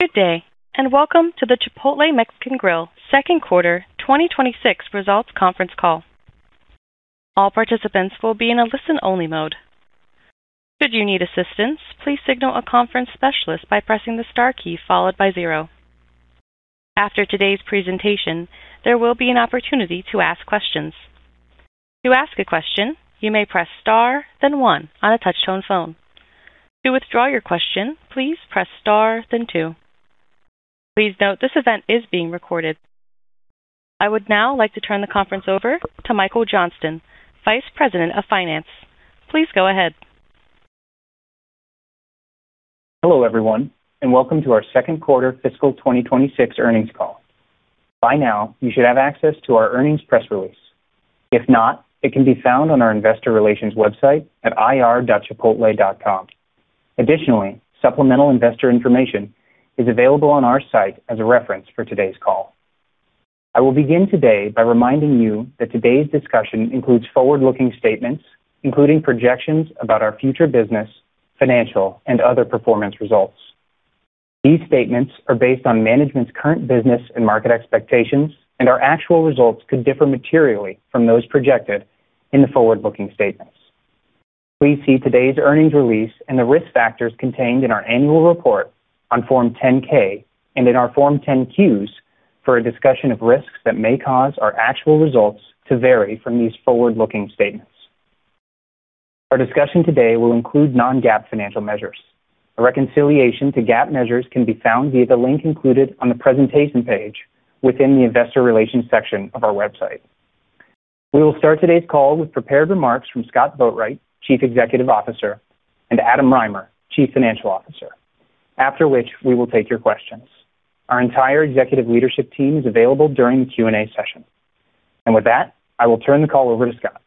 Good day, and welcome to the Chipotle Mexican Grill second quarter 2026 results conference call. All participants will be in a listen-only mode. Should you need assistance, please signal a conference specialist by pressing the star key followed by zero. After today's presentation, there will be an opportunity to ask questions. To ask a question, you may press star then one on a touch-tone phone. To withdraw your question, please press star then two. Please note this event is being recorded. I would now like to turn the conference over to Michael Johnston, Vice President of Finance. Please go ahead. Hello, everyone, and welcome to our second quarter fiscal 2026 earnings call. By now, you should have access to our earnings press release. If not, it can be found on our investor relations website at ir.chipotle.com. Additionally, supplemental investor information is available on our site as a reference for today's call. I will begin today by reminding you that today's discussion includes forward-looking statements, including projections about our future business, financial, and other performance results. These statements are based on management's current business and market expectations, and our actual results could differ materially from those projected in the forward-looking statements. Please see today's earnings release and the risk factors contained in our annual report on Form 10-K and in our Form 10-Q for a discussion of risks that may cause our actual results to vary from these forward-looking statements. Our discussion today will include non-GAAP financial measures. A reconciliation to GAAP measures can be found via the link included on the presentation page within the investor relations section of our website. We will start today's call with prepared remarks from Scott Boatwright, Chief Executive Officer, and Adam Rymer, Chief Financial Officer, after which we will take your questions. Our entire executive leadership team is available during the Q&A session. With that, I will turn the call over to Scott.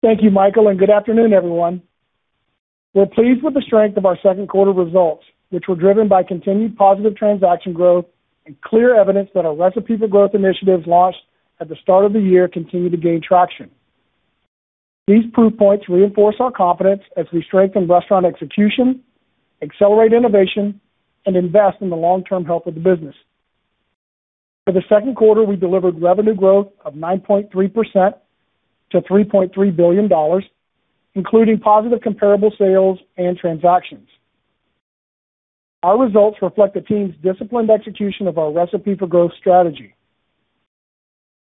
Thank you, Michael, and good afternoon, everyone. We're pleased with the strength of our second quarter results, which were driven by continued positive transaction growth and clear evidence that our Recipe for Growth initiatives launched at the start of the year continue to gain traction. These proof points reinforce our confidence as we strengthen restaurant execution, accelerate innovation, and invest in the long-term health of the business. For the second quarter, we delivered revenue growth of 9.3% to $3.3 billion, including positive comparable sales and transactions. Our results reflect the team's disciplined execution of our Recipe for Growth strategy.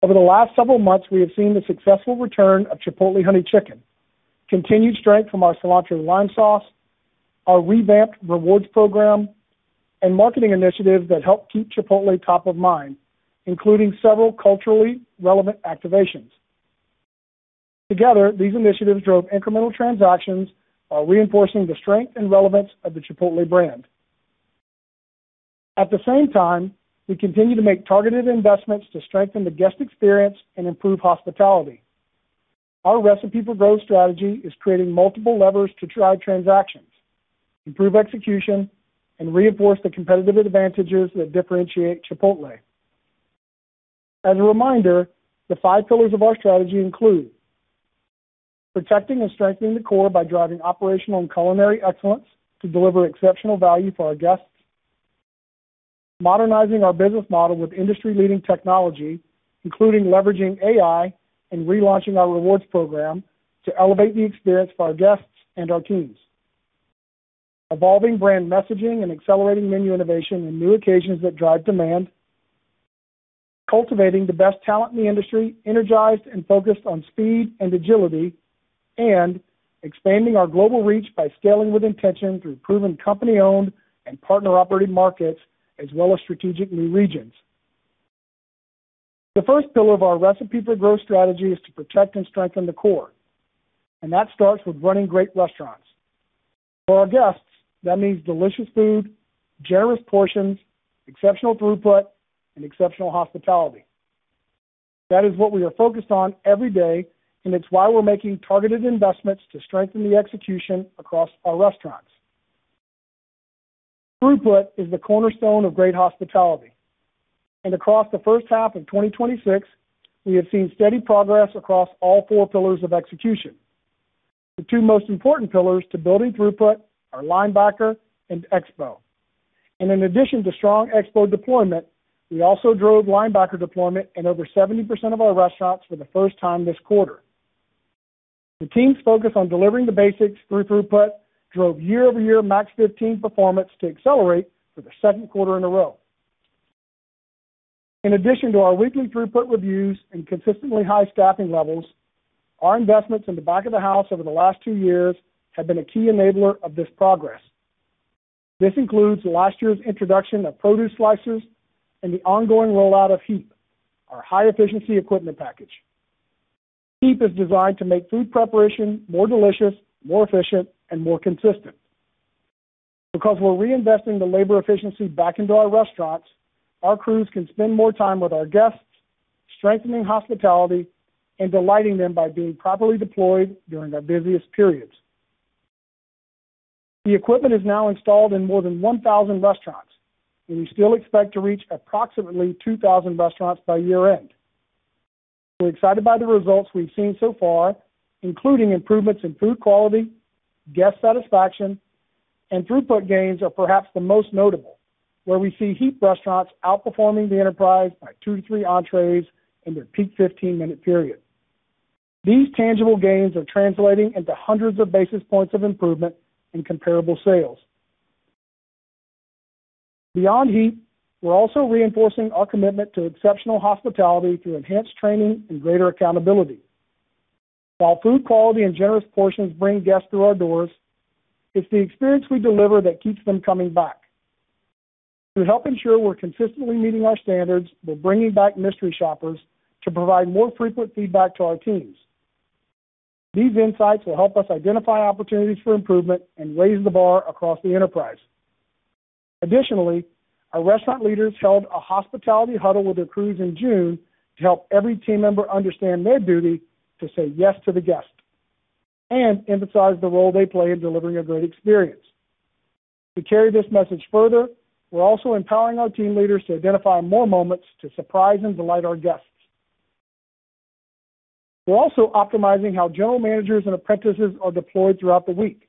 Over the last several months, we have seen the successful return of Chipotle Honey Chicken, continued strength from our Cilantro Lime sauce, our revamped rewards program, and marketing initiatives that help keep Chipotle top of mind, including several culturally relevant activations. Together, these initiatives drove incremental transactions while reinforcing the strength and relevance of Chipotle brand. At the same time, we continue to make targeted investments to strengthen the guest experience and improve hospitality. Our Recipe for Growth strategy is creating multiple levers to drive transactions, improve execution, and reinforce the competitive advantages that differentiate Chipotle. As a reminder, the five pillars of our strategy include: protecting and strengthening the core by driving operational and culinary excellence to deliver exceptional value for our guests. Modernizing our business model with industry-leading technology, including leveraging AI and relaunching our Chipotle Rewards program to elevate the experience for our guests and our teams. Evolving brand messaging and accelerating menu innovation and new occasions that drive demand. Cultivating the best talent in the industry, energized and focused on speed and agility. Expanding our global reach by scaling with intention through proven company-owned and partner-operated markets, as well as strategic new regions. The first pillar of our Recipe for Growth strategy is to protect and strengthen the core, and that starts with running great restaurants. For our guests, that means delicious food, generous portions, exceptional throughput, and exceptional hospitality. That is what we are focused on every day, and it's why we're making targeted investments to strengthen the execution across our restaurants. Throughput is the cornerstone of great hospitality. Across the first half of 2026, we have seen steady progress across all four pillars of execution. The two most important pillars to building throughput are Linebacker and Expo. In addition to strong Expo deployment, we also drove Linebacker deployment in over 70% of our restaurants for the first time this quarter. The team's focus on delivering the basics through throughput drove year-over-year Max 15 performance to accelerate for the second quarter in a row. In addition to our weekly throughput reviews and consistently high staffing levels, our investments in the back of the house over the last two years have been a key enabler of this progress. This includes last year's introduction of produce slicers and the ongoing rollout of HEAP, our High-Efficiency Equipment Package. HEAP is designed to make food preparation more delicious, more efficient, and more consistent. Because we're reinvesting the labor efficiency back into our restaurants, our crews can spend more time with our guests, strengthening hospitality and delighting them by being properly deployed during their busiest periods. The equipment is now installed in more than 1,000 restaurants, and we still expect to reach approximately 2,000 restaurants by year-end. We're excited by the results we've seen so far, including improvements in food quality, guest satisfaction. Throughput gains are perhaps the most notable, where we see HEAP restaurants outperforming the enterprise by two to three entrees in their peak 15-minute period. These tangible gains are translating into hundreds of basis points of improvement in comparable sales. Beyond HEAP, we're also reinforcing our commitment to exceptional hospitality through enhanced training and greater accountability. While food quality and generous portions bring guests through our doors, it's the experience we deliver that keeps them coming back. To help ensure we're consistently meeting our standards, we're bringing back mystery shoppers to provide more frequent feedback to our teams. These insights will help us identify opportunities for improvement and raise the bar across the enterprise. Additionally, our restaurant leaders held a hospitality huddle with their crews in June to help every team member understand their duty to say yes to the guest and emphasize the role they play in delivering a great experience. To carry this message further, we're also empowering our team leaders to identify more moments to surprise and delight our guests. We're also optimizing how general managers and apprentices are deployed throughout the week.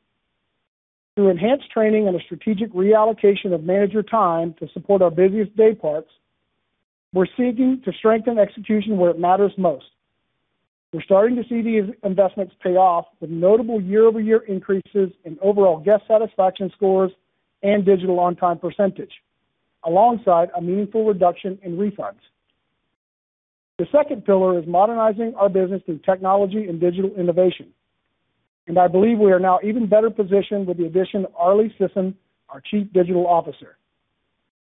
Through enhanced training and a strategic reallocation of manager time to support our busiest day parts, we're seeking to strengthen execution where it matters most. We're starting to see these investments pay off with notable year-over-year increases in overall guest satisfaction scores and digital on-time percentage, alongside a meaningful reduction in refunds. The second pillar is modernizing our business through technology and digital innovation. I believe we are now even better positioned with the addition of Arlie Sisson, our Chief Digital Officer.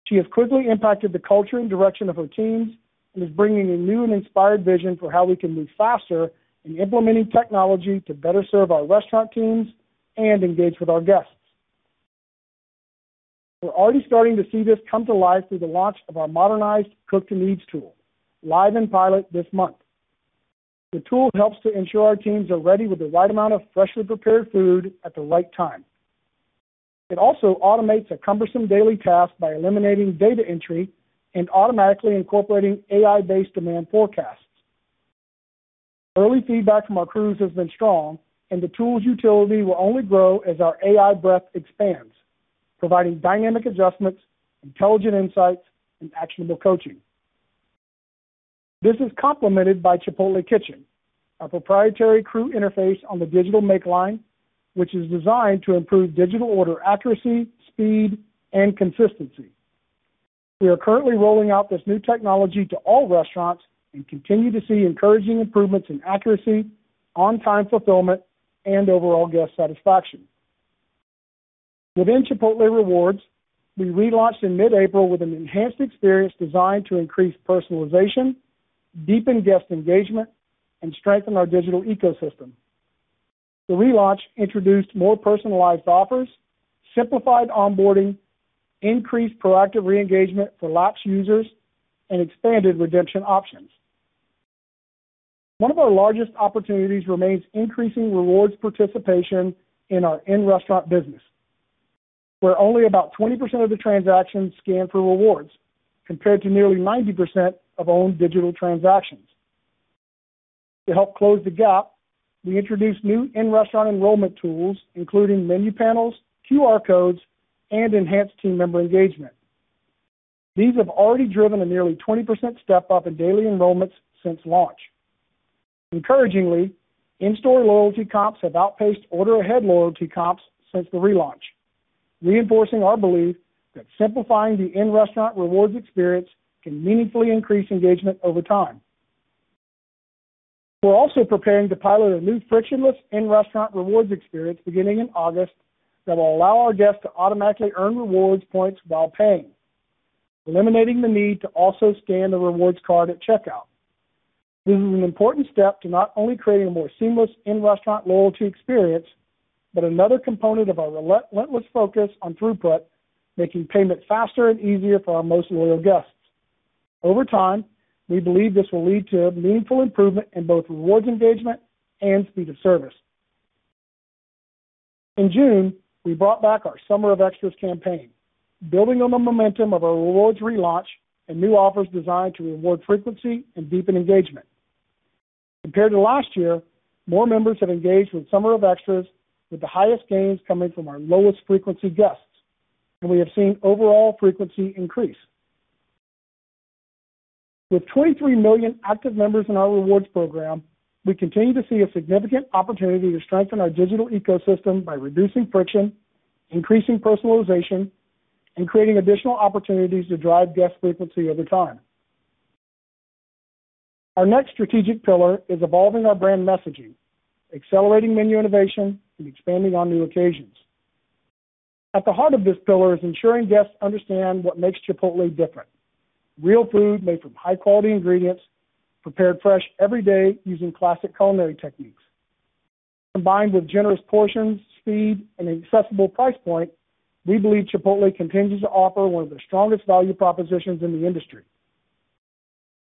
She has quickly impacted the culture and direction of her teams and is bringing a new and inspired vision for how we can move faster in implementing technology to better serve our restaurant teams and engage with our guests. We're already starting to see this come to life through the launch of our modernized Cook to Needs tool, live in pilot this month. The tool helps to ensure our teams are ready with the right amount of freshly prepared food at the right time. It also automates a cumbersome daily task by eliminating data entry and automatically incorporating AI-based demand forecasts. Early feedback from our crews has been strong, and the tool's utility will only grow as our AI breadth expands, providing dynamic adjustments, intelligent insights, and actionable coaching. This is complemented by Chipotle Kitchen, our proprietary crew interface on the digital make line, which is designed to improve digital order accuracy, speed, and consistency. We are currently rolling out this new technology to all restaurants and continue to see encouraging improvements in accuracy, on-time fulfillment, and overall guest satisfaction. Within Chipotle Rewards, we relaunched in mid-April with an enhanced experience designed to increase personalization, deepen guest engagement, and strengthen our digital ecosystem. The relaunch introduced more personalized offers, simplified onboarding, increased proactive re-engagement for lapsed users, and expanded redemption options. One of our largest opportunities remains increasing rewards participation in our in-restaurant business, where only about 20% of the transactions scan for rewards, compared to nearly 90% of own digital transactions. To help close the gap, we introduced new in-restaurant enrollment tools, including menu panels, QR codes, and enhanced team member engagement. These have already driven a nearly 20% step-up in daily enrollments since launch. Encouragingly, in-store loyalty comps have outpaced order ahead loyalty comps since the relaunch, reinforcing our belief that simplifying the in-restaurant rewards experience can meaningfully increase engagement over time. We're also preparing to pilot a new frictionless in-restaurant rewards experience beginning in August that will allow our guests to automatically earn rewards points while paying, eliminating the need to also scan the rewards card at checkout. This is an important step to not only creating a more seamless in-restaurant loyalty experience, but another component of our relentless focus on throughput, making payment faster and easier for our most loyal guests. Over time, we believe this will lead to a meaningful improvement in both rewards engagement and speed of service. In June, we brought back our Summer of Extras campaign, building on the momentum of our rewards relaunch and new offers designed to reward frequency and deepen engagement. Compared to last year, more members have engaged with Summer of Extras, with the highest gains coming from our lowest frequency guests, and we have seen overall frequency increase. With 23 million active members in our rewards program, we continue to see a significant opportunity to strengthen our digital ecosystem by reducing friction, increasing personalization, and creating additional opportunities to drive guest frequency over time. Our next strategic pillar is evolving our brand messaging, accelerating menu innovation, and expanding on new occasions. At the heart of this pillar is ensuring guests understand what makes Chipotle different: real food made from high-quality ingredients, prepared fresh every day using classic culinary techniques. Combined with generous portions, speed, and an accessible price point, we believe Chipotle continues to offer one of the strongest value propositions in the industry.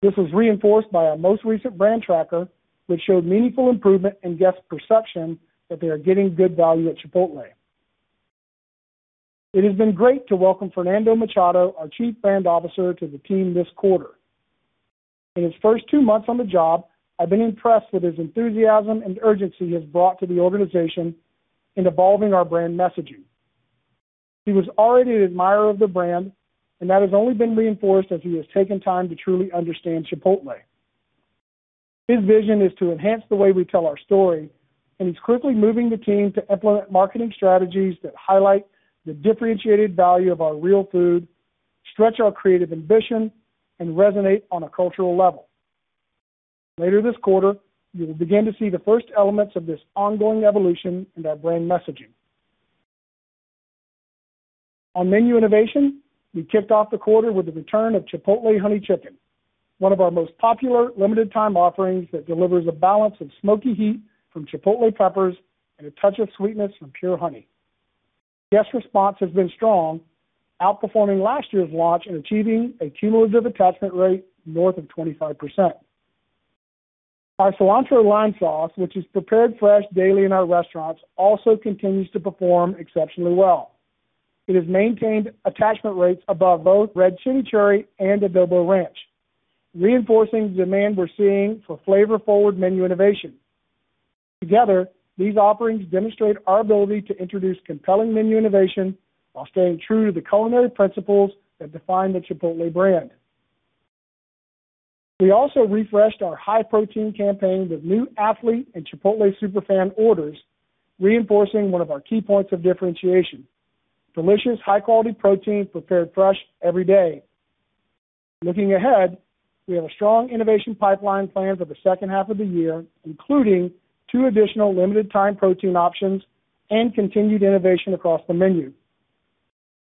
This is reinforced by our most recent brand tracker, which showed meaningful improvement in guest perception that they are getting good value at Chipotle. It has been great to welcome Fernando Machado, our Chief Brand Officer, to the team this quarter. In his first two months on the job, I've been impressed with his enthusiasm and urgency he has brought to the organization in evolving our brand messaging. That has only been reinforced as he has taken time to truly understand Chipotle. His vision is to enhance the way we tell our story. He's quickly moving the team to implement marketing strategies that highlight the differentiated value of our real food, stretch our creative ambition, and resonate on a cultural level. Later this quarter, you will begin to see the first elements of this ongoing evolution in our brand messaging. On menu innovation, we kicked off the quarter with the return of Chipotle Honey Chicken, one of our most popular limited-time offerings that delivers a balance of smoky heat from chipotle peppers and a touch of sweetness from pure honey. Guest response has been strong, outperforming last year's launch and achieving a cumulative attachment rate north of 25%. Our Cilantro Lime Sauce, which is prepared fresh daily in our restaurants, also continues to perform exceptionally well. It has maintained attachment rates above both Red Chimichurri and Adobo Ranch, reinforcing the demand we're seeing for flavor-forward menu innovation. Together, these offerings demonstrate our ability to introduce compelling menu innovation while staying true to the culinary principles that define the Chipotle brand. We also refreshed our high-protein campaign with new athlete and Chipotle superfan orders, reinforcing one of our key points of differentiation: delicious, high-quality protein prepared fresh every day. Looking ahead, we have a strong innovation pipeline planned for the second half of the year, including two additional limited-time protein options and continued innovation across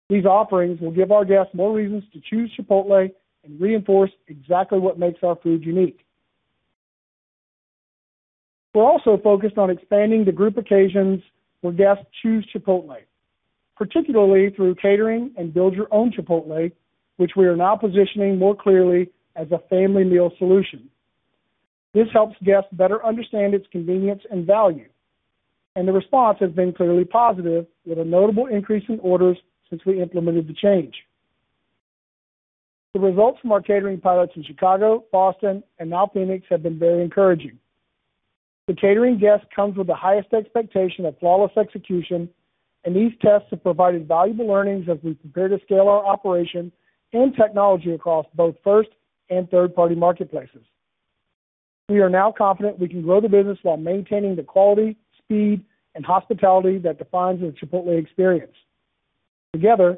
the menu. These offerings will give our guests more reasons to choose Chipotle and reinforce exactly what makes our food unique. We're also focused on expanding the group occasions where guests choose Chipotle, particularly through catering and Build-Your-Own Chipotle, which we are now positioning more clearly as a family meal solution. This helps guests better understand its convenience and value. The response has been clearly positive with a notable increase in orders since we implemented the change. The results from our catering pilots in Chicago, Boston, and now Phoenix have been very encouraging. The catering guest comes with the highest expectation of flawless execution. These tests have provided valuable learnings as we prepare to scale our operation and technology across both first and third-party marketplaces. We are now confident we can grow the business while maintaining the quality, speed, and hospitality that defines the Chipotle experience. Together,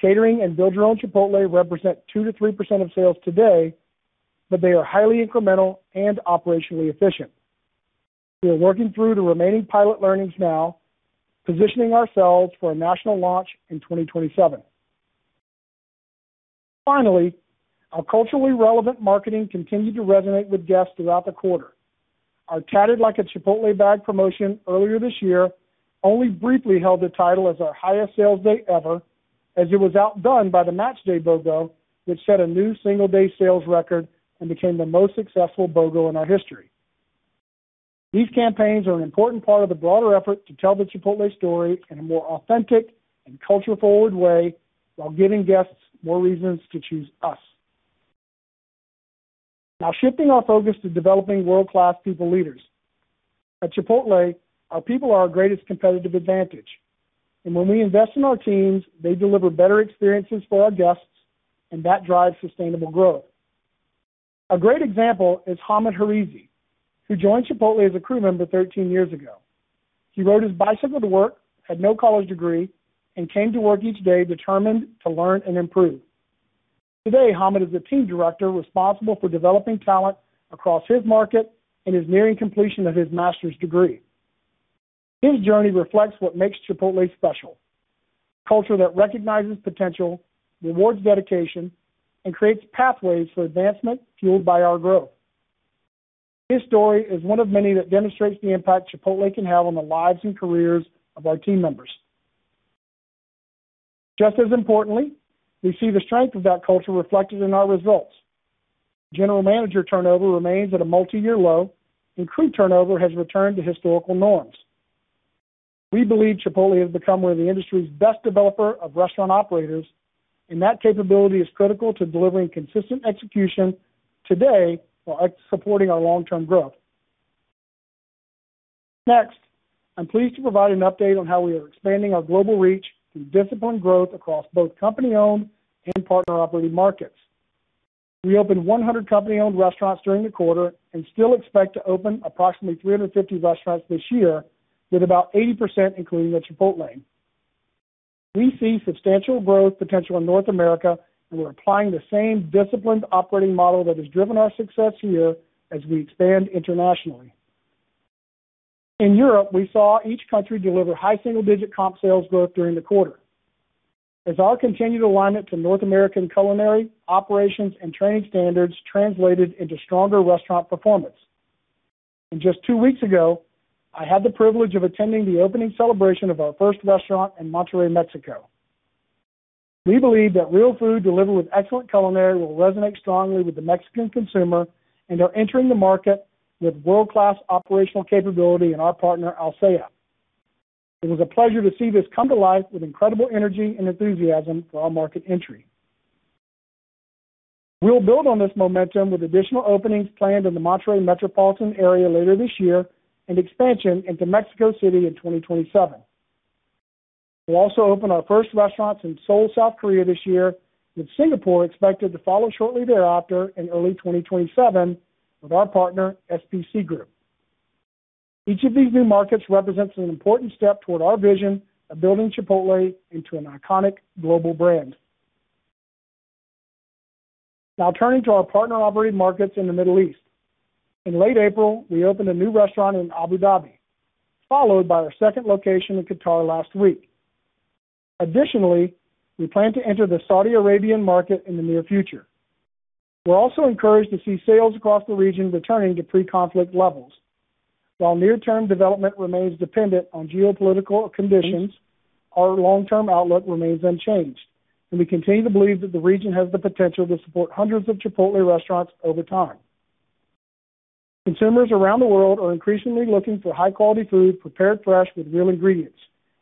catering and Build-Your-Own Chipotle represent 2%-3% of sales today. They are highly incremental and operationally efficient. We are working through the remaining pilot learnings now, positioning ourselves for a national launch in 2027. Our culturally relevant marketing continued to resonate with guests throughout the quarter. Our Tatted Like a Chipotle Bag promotion earlier this year only briefly held the title as our highest sales day ever, as it was outdone by the Matchday BOGO, which set a new single-day sales record and became the most successful BOGO in our history. These campaigns are an important part of the broader effort to tell the Chipotle story in a more authentic and culture-forward way while giving guests more reasons to choose us. Shifting our focus to developing world-class people leaders. At Chipotle, our people are our greatest competitive advantage. When we invest in our teams, they deliver better experiences for our guests, and that drives sustainable growth. A great example is Hamed Harizi, who joined Chipotle as a crew member 13 years ago. He rode his bicycle to work, had no college degree, and came to work each day determined to learn and improve. Today, Hamed is a team director responsible for developing talent across his market and is nearing completion of his master's degree. His journey reflects what makes Chipotle special, a culture that recognizes potential, rewards dedication, and creates pathways for advancement fueled by our growth. His story is one of many that demonstrates the impact Chipotle can have on the lives and careers of our team members. Just as importantly, we see the strength of that culture reflected in our results. General manager turnover remains at a multi-year low. Crew turnover has returned to historical norms. We believe Chipotle has become one of the industry's best developer of restaurant operators, and that capability is critical to delivering consistent execution today while supporting our long-term growth. I'm pleased to provide an update on how we are expanding our global reach through disciplined growth across both company-owned and partner-operated markets. We opened 100 company-owned restaurants during the quarter and still expect to open approximately 350 restaurants this year with about 80% including a Chipotlane. We see substantial growth potential in North America. We're applying the same disciplined operating model that has driven our success here as we expand internationally. In Europe, we saw each country deliver high single-digit comp sales growth during the quarter. As our continued alignment to North American culinary, operations, and training standards translated into stronger restaurant performance. Just two weeks ago, I had the privilege of attending the opening celebration of our first restaurant in Monterrey, Mexico. We believe that real food delivered with excellent culinary will resonate strongly with the Mexican consumer and are entering the market with world-class operational capability in our partner, Alsea. It was a pleasure to see this come to life with incredible energy and enthusiasm for our market entry. We'll build on this momentum with additional openings planned in the Monterrey metropolitan area later this year and expansion into Mexico City in 2027. We'll also open our first restaurants in Seoul, South Korea, this year, with Singapore expected to follow shortly thereafter in early 2027 with our partner, SPC Group. Each of these new markets represents an important step toward our vision of building Chipotle into an iconic global brand. Now turning to our partner-operated markets in the Middle East. In late April, we opened a new restaurant in Abu Dhabi, followed by our second location in Qatar last week. Additionally, we plan to enter the Saudi Arabian market in the near future. We're also encouraged to see sales across the region returning to pre-conflict levels. While near-term development remains dependent on geopolitical conditions, our long-term outlook remains unchanged, and we continue to believe that the region has the potential to support hundreds of Chipotle restaurants over time. Consumers around the world are increasingly looking for high-quality food prepared fresh with real ingredients,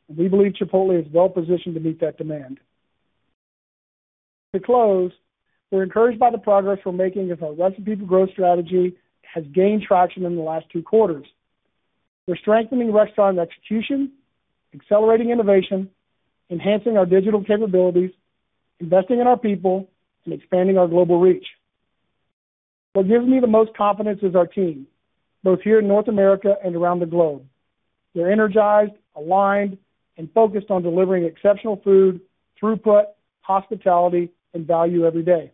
and we believe Chipotle is well positioned to meet that demand. To close, we're encouraged by the progress we're making as our Recipe for Growth strategy has gained traction in the last two quarters. We're strengthening restaurant execution, accelerating innovation, enhancing our digital capabilities, investing in our people, and expanding our global reach. What gives me the most confidence is our team, both here in North America and around the globe. They're energized, aligned, and focused on delivering exceptional food, throughput, hospitality, and value every day.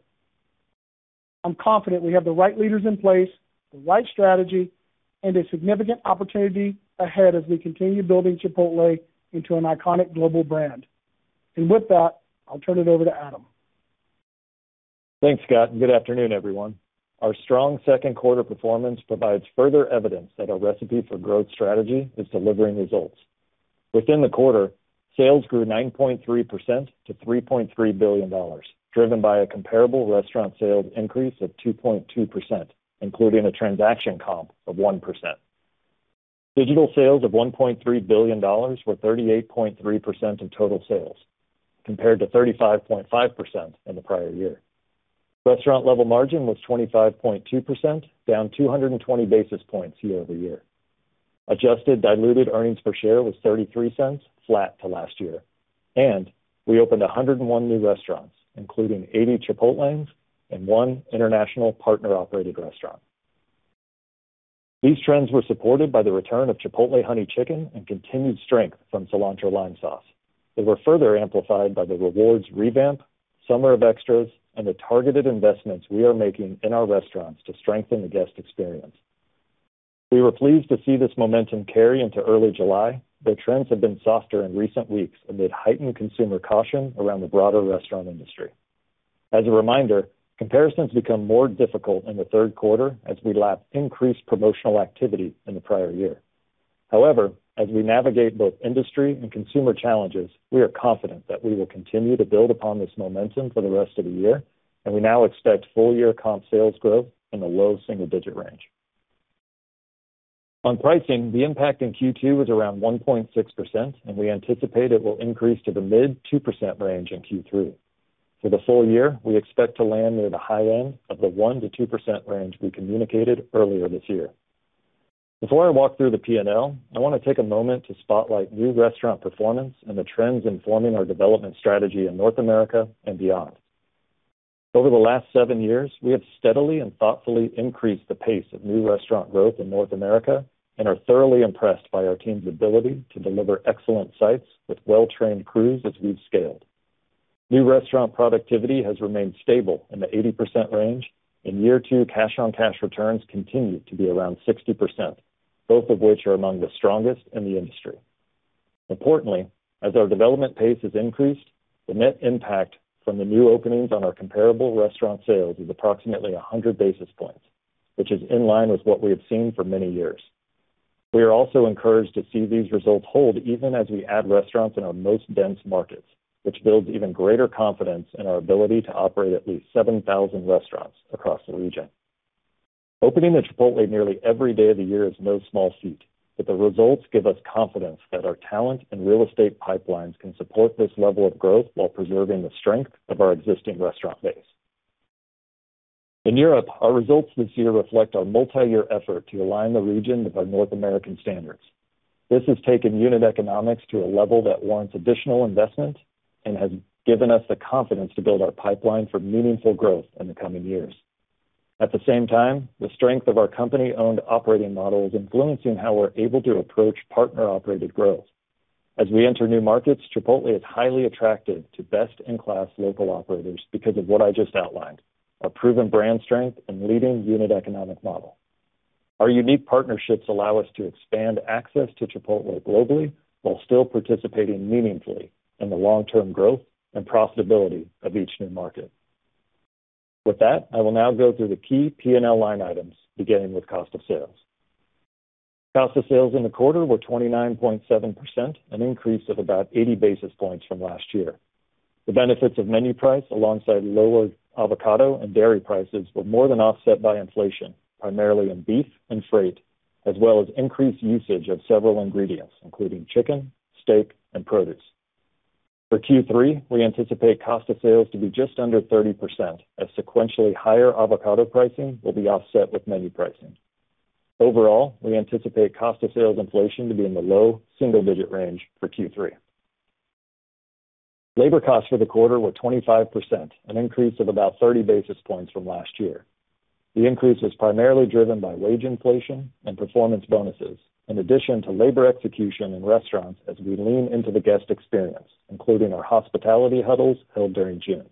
I'm confident we have the right leaders in place, the right strategy, and a significant opportunity ahead as we continue building Chipotle into an iconic global brand. With that, I'll turn it over to Adam. Thanks, Scott, and good afternoon, everyone. Our strong second quarter performance provides further evidence that our Recipe for Growth strategy is delivering results. Within the quarter, sales grew 9.3% to $3.3 billion, driven by a comparable restaurant sales increase of 2.2%, including a transaction comp of 1%. Digital sales of $1.3 billion were 38.3% of total sales, compared to 35.5% in the prior year. Restaurant level margin was 25.2%, down 220 basis points year-over-year. Adjusted diluted earnings per share was $0.33, flat to last year. We opened 101 new restaurants, including 80 Chipotlanes and one international partner-operated restaurant. These trends were supported by the return of Chipotle Honey Chicken and continued strength from Cilantro Lime Sauce. They were further amplified by the rewards revamp, Summer of Extras, and the targeted investments we are making in our restaurants to strengthen the guest experience. We were pleased to see this momentum carry into early July, though trends have been softer in recent weeks amid heightened consumer caution around the broader restaurant industry. As a reminder, comparisons become more difficult in the third quarter as we lap increased promotional activity in the prior year. However, as we navigate both industry and consumer challenges, we are confident that we will continue to build upon this momentum for the rest of the year, and we now expect full-year comp sales growth in the low single-digit range. On pricing, the impact in Q2 was around 1.6%, and we anticipate it will increase to the mid 2% range in Q3. For the full year, we expect to land near the high end of the 1%-2% range we communicated earlier this year. Before I walk through the P&L, I want to take a moment to spotlight new restaurant performance and the trends informing our development strategy in North America and beyond. Over the last seven years, we have steadily and thoughtfully increased the pace of new restaurant growth in North America and are thoroughly impressed by our team's ability to deliver excellent sites with well-trained crews as we've scaled. New restaurant productivity has remained stable in the 80% range, and year two cash-on-cash returns continue to be around 60%, both of which are among the strongest in the industry. Importantly, as our development pace has increased, the net impact from the new openings on our comparable restaurant sales is approximately 100 basis points, which is in line with what we have seen for many years. We are also encouraged to see these results hold even as we add restaurants in our most dense markets, which builds even greater confidence in our ability to operate at least 7,000 restaurants across the region. Opening a Chipotle nearly every day of the year is no small feat, but the results give us confidence that our talent and real estate pipelines can support this level of growth while preserving the strength of our existing restaurant base. In Europe, our results this year reflect our multi-year effort to align the region with our North American standards. This has taken unit economics to a level that warrants additional investment and has given us the confidence to build our pipeline for meaningful growth in the coming years. At the same time, the strength of our company-owned operating model is influencing how we're able to approach partner-operated growth. As we enter new markets, Chipotle is highly attractive to best-in-class local operators because of what I just outlined, our proven brand strength and leading unit economic model. Our unique partnerships allow us to expand access to Chipotle globally while still participating meaningfully in the long-term growth and profitability of each new market. With that, I will now go through the key P&L line items, beginning with cost of sales. Cost of sales in the quarter were 29.7%, an increase of about 80 basis points from last year. The benefits of menu price, alongside lower avocado and dairy prices, were more than offset by inflation, primarily in beef and freight, as well as increased usage of several ingredients, including chicken, steak, and produce. For Q3, we anticipate cost of sales to be just under 30%, as sequentially higher avocado pricing will be offset with menu pricing. Overall, we anticipate cost of sales inflation to be in the low single-digit range for Q3. Labor costs for the quarter were 25%, an increase of about 30 basis points from last year. The increase was primarily driven by wage inflation and performance bonuses, in addition to labor execution in restaurants as we lean into the guest experience, including our hospitality huddles held during June.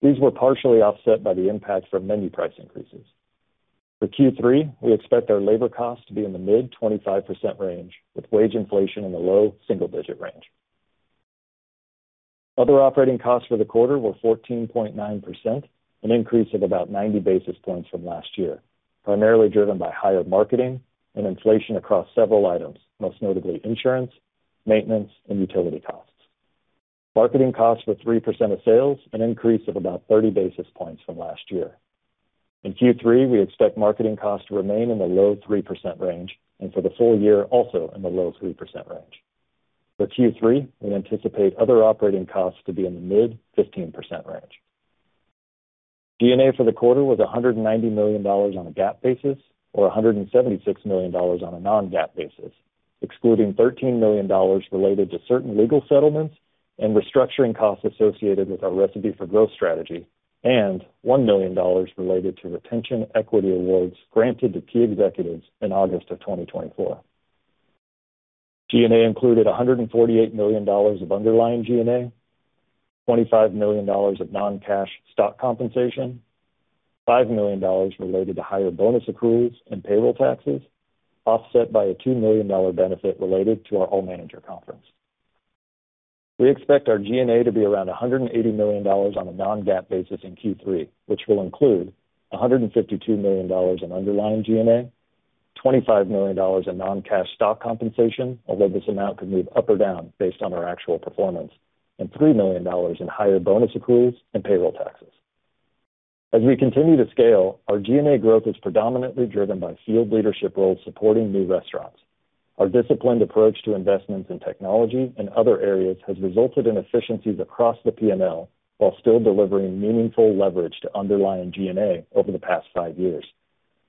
These were partially offset by the impact from menu price increases. For Q3, we expect our labor costs to be in the mid 25% range, with wage inflation in the low single-digit range. Other operating costs for the quarter were 14.9%, an increase of about 90 basis points from last year, primarily driven by higher marketing and inflation across several items, most notably insurance, maintenance, and utility costs. Marketing costs were 3% of sales, an increase of about 30 basis points from last year. In Q3, we expect marketing costs to remain in the low 3% range, and for the full year, also in the low 3% range. For Q3, we anticipate other operating costs to be in the mid 15% range. G&A for the quarter was $190 million on a GAAP basis, or $176 million on a non-GAAP basis, excluding $13 million related to certain legal settlements and restructuring costs associated with our Recipe for Growth strategy, and $1 million related to retention equity awards granted to key executives in August of 2024. G&A included $148 million of underlying G&A, $25 million of non-cash stock compensation, $5 million related to higher bonus accruals and payroll taxes, offset by a $2 million benefit related to our home manager conference. We expect our G&A to be around $180 million on a non-GAAP basis in Q3, which will include $152 million in underlying G&A, $25 million in non-cash stock compensation, although this amount could move up or down based on our actual performance, and $3 million in higher bonus accruals and payroll taxes. As we continue to scale, our G&A growth is predominantly driven by field leadership roles supporting new restaurants. Our disciplined approach to investments in technology and other areas has resulted in efficiencies across the P&L while still delivering meaningful leverage to underlying G&A over the past five years.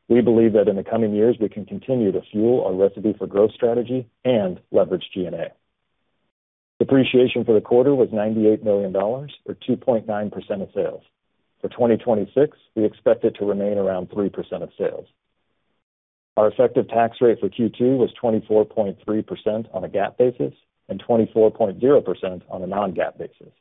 We believe that in the coming years, we can continue to fuel our Recipe for Growth strategy and leverage G&A. Depreciation for the quarter was $98 million, or 2.9% of sales. For 2026, we expect it to remain around 3% of sales. Our effective tax rate for Q2 was 24.3% on a GAAP basis and 24.0% on a non-GAAP basis.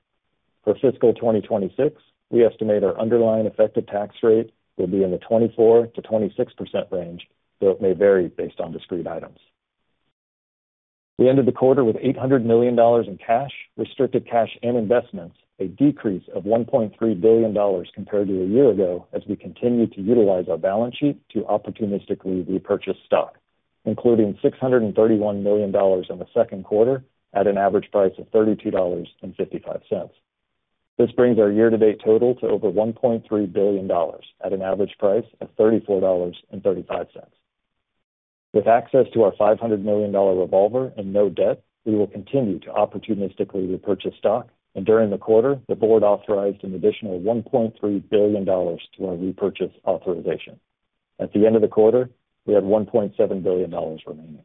For fiscal 2026, we estimate our underlying effective tax rate will be in the 24%-26% range, though it may vary based on discrete items. We ended the quarter with $800 million in cash, restricted cash, and investments, a decrease of $1.3 billion compared to a year ago, as we continue to utilize our balance sheet to opportunistically repurchase stock, including $631 million in the second quarter at an average price of $32.55. This brings our year-to-date total to over $1.3 billion, at an average price of $34.35. With access to our $500 million revolver and no debt, we will continue to opportunistically repurchase stock. During the quarter, the board authorized an additional $1.3 billion to our repurchase authorization. At the end of the quarter, we had $1.7 billion remaining.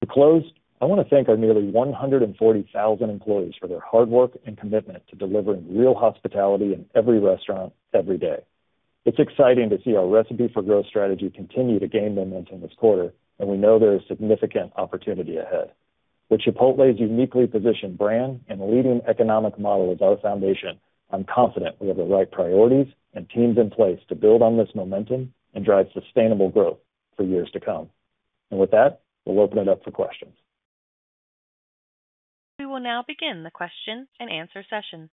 To close, I want to thank our nearly 140,000 employees for their hard work and commitment to delivering real hospitality in every restaurant, every day. It's exciting to see our Recipe for Growth strategy continue to gain momentum this quarter, and we know there is significant opportunity ahead. With Chipotle's uniquely positioned brand and leading economic model as our foundation, I'm confident we have the right priorities and teams in place to build on this momentum and drive sustainable growth for years to come. With that, we'll open it up for questions. We will now begin the question and answer session.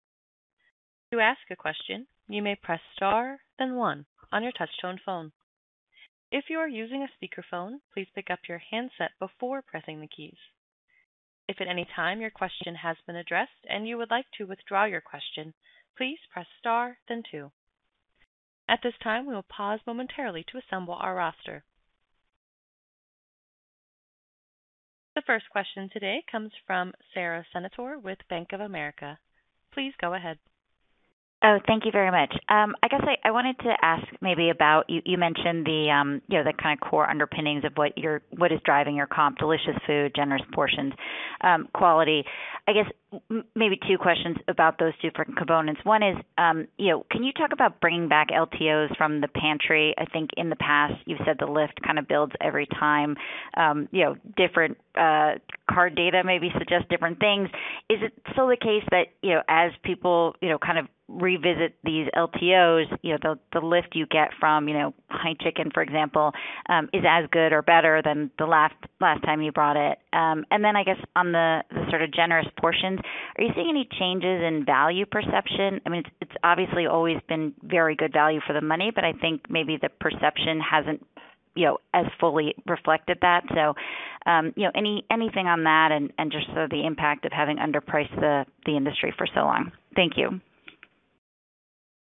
To ask a question, you may press star then one on your touch tone phone. If you are using a speakerphone, please pick up your handset before pressing the keys. If at any time your question has been addressed and you would like to withdraw your question, please press star then two. At this time, we will pause momentarily to assemble our roster. The first question today comes from Sara Senatore with Bank of America. Please go ahead. Oh, thank you very much. I wanted to ask maybe about, you mentioned the kind of core underpinnings of what is driving your comp, delicious food, generous portions, quality. I guess, maybe two questions about those different components. One is, can you talk about bringing back LTOs from the pantry? I think in the past you've said the lift kind of builds every time. Different card data maybe suggests different things. Is it still the case that, as people kind of revisit these LTOs, the lift you get from Chicken al Pastor, for example, is as good or better than the last time you brought it? Then I guess on the sort of generous portions, are you seeing any changes in value perception? It's obviously always been very good value for the money, but I think maybe the perception hasn't fully reflected that. Anything on that, and just sort of the impact of having underpriced the industry for so long. Thank you.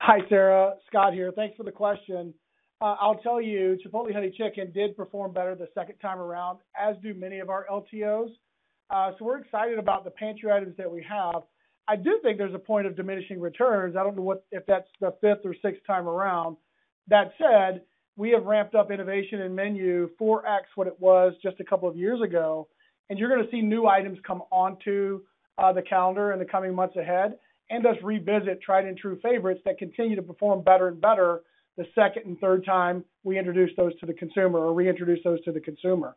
Hi, Sara. Scott here. Thanks for the question. I'll tell you, Chipotle Honey Chicken did perform better the second time around, as do many of our LTOs. We're excited about the pantry items that we have. I do think there's a point of diminishing returns. I don't know if that's the fifth or sixth time around. That said, we have ramped up innovation and menu 4x what it was just a couple of years ago, and you're going to see new items come onto the calendar in the coming months ahead, and us revisit tried and true favorites that continue to perform better and better the second and third time we introduce those to the consumer or reintroduce those to the consumer.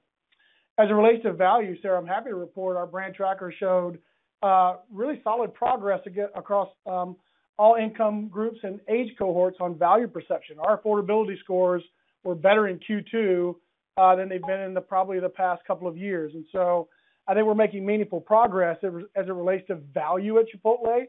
As it relates to value, Sara, I'm happy to report our brand tracker showed really solid progress across all income groups and age cohorts on value perception. Our affordability scores were better in Q2 than they've been in probably the past couple of years. I think we're making meaningful progress as it relates to value at Chipotle.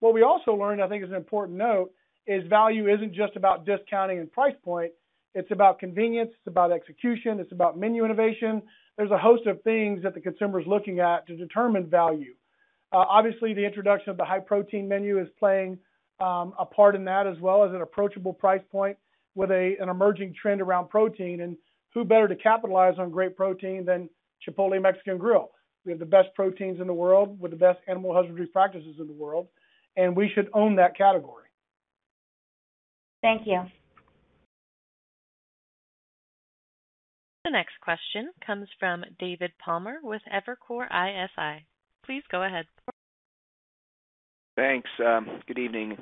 What we also learned, I think is an important note, is value isn't just about discounting and price point. It's about convenience, it's about execution, it's about menu innovation. There's a host of things that the consumer's looking at to determine value. Obviously, the introduction of the high-protein menu is playing a part in that, as well as an approachable price point with an emerging trend around protein. Who better to capitalize on great protein than Chipotle Mexican Grill? We have the best proteins in the world with the best animal husbandry practices in the world, and we should own that category. Thank you. The next question comes from David Palmer with Evercore ISI. Please go ahead. Thanks. Good evening.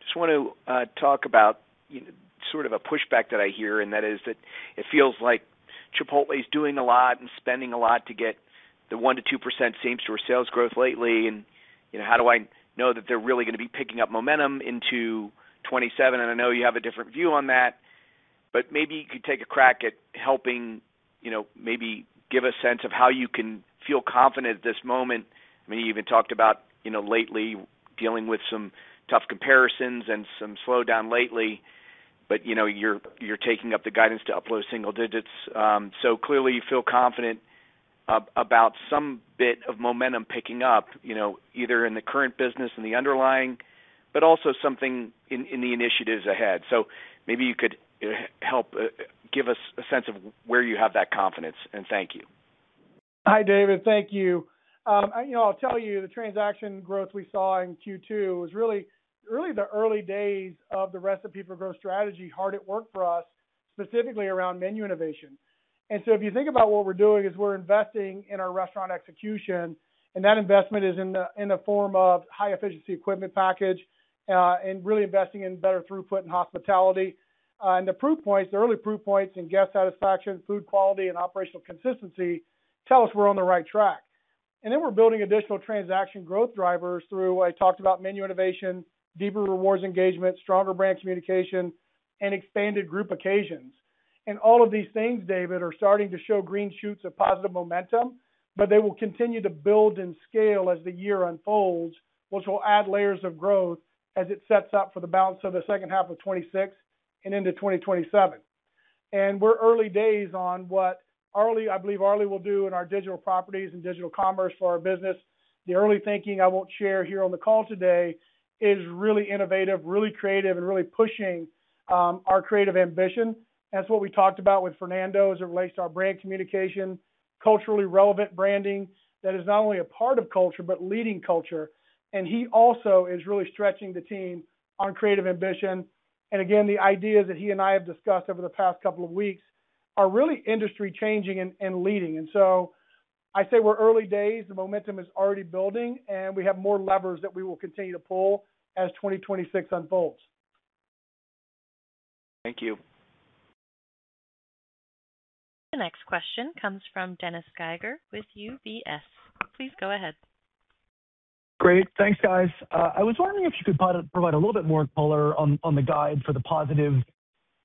Just want to talk about sort of a pushback that I hear, and that is that it feels like Chipotle is doing a lot and spending a lot to get the 1%-2% same-store sales growth lately. How do I know that they're really going to be picking up momentum into 2027? I know you have a different view on that, but maybe you could take a crack at helping, maybe give a sense of how you can feel confident at this moment. I mean, you even talked about lately dealing with some tough comparisons and some slowdown lately. You're taking up the guidance to up low single digits. Clearly, you feel confident about some bit of momentum picking up, either in the current business and the underlying, but also something in the initiatives ahead. Maybe you could help give us a sense of where you have that confidence. Thank you. Hi, David. Thank you. I'll tell you, the transaction growth we saw in Q2 was really the early days of the Recipe for Growth strategy hard at work for us, specifically around menu innovation. If you think about what we're doing is we're investing in our restaurant execution, and that investment is in the form of High-Efficiency Equipment Package, and really investing in better throughput and hospitality. The early proof points in guest satisfaction, food quality, and operational consistency tell us we're on the right track. We're building additional transaction growth drivers through, I talked about menu innovation, deeper rewards engagement, stronger brand communication, and expanded group occasions. All of these things, David, are starting to show green shoots of positive momentum, but they will continue to build and scale as the year unfolds, which will add layers of growth as it sets up for the balance of the second half of 2026 and into 2027. We're early days on what I believe Arlie will do in our digital properties and digital commerce for our business. The early thinking I won't share here on the call today is really innovative, really creative, and really pushing our creative ambition. That's what we talked about with Fernando as it relates to our brand communication, culturally relevant branding that is not only a part of culture, but leading culture. He also is really stretching the team on creative ambition. The ideas that he and I have discussed over the past couple of weeks are really industry changing and leading. I say we're early days, the momentum is already building, and we have more levers that we will continue to pull as 2026 unfolds. Thank you. The next question comes from Dennis Geiger with UBS. Please go ahead. Great. Thanks, guys. I was wondering if you could provide a little bit more color on the guide for the positive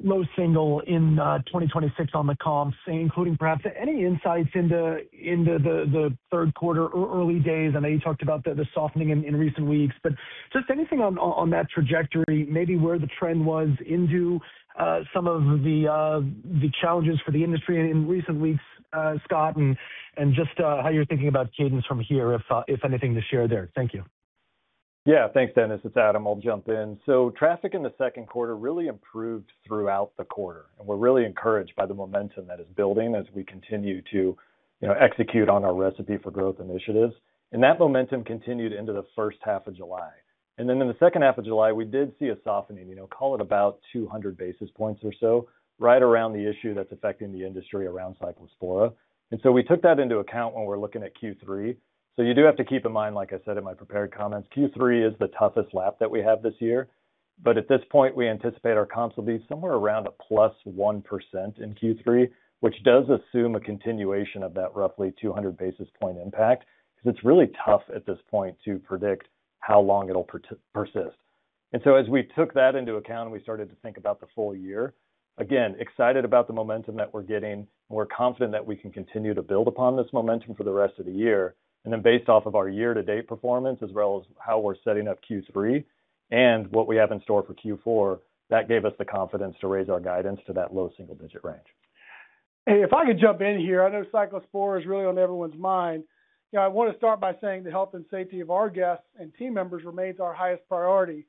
low single in 2026 on the comps, including perhaps any insights into the third quarter or early days. I know you talked about the softening in recent weeks. Just anything on that trajectory, maybe where the trend was into some of the challenges for the industry in recent weeks, Scott, and just how you're thinking about cadence from here, if anything to share there. Thank you. Yeah. Thanks, Dennis Geiger. It's Adam. I'll jump in. Traffic in the second quarter really improved throughout the quarter, and we're really encouraged by the momentum that is building as we continue to execute on our Recipe for Growth initiatives. That momentum continued into the first half of July. Then in the second half of July, we did see a softening, call it about 200 basis points or so, right around the issue that's affecting the industry around Cyclospora. We took that into account when we're looking at Q3. You do have to keep in mind, like I said in my prepared comments, Q3 is the toughest lap that we have this year. At this point, we anticipate our comps will be somewhere around a plus 1% in Q3, which does assume a continuation of that roughly 200 basis point impact, because it's really tough at this point to predict how long it'll persist. As we took that into account and we started to think about the full year, again, excited about the momentum that we're getting. We're confident that we can continue to build upon this momentum for the rest of the year. Then based off of our year-to-date performance, as well as how we're setting up Q3 and what we have in store for Q4, that gave us the confidence to raise our guidance to that low single-digit range. Hey, if I could jump in here, I know Cyclospora is really on everyone's mind. I want to start by saying the health and safety of our guests and team members remains our highest priority,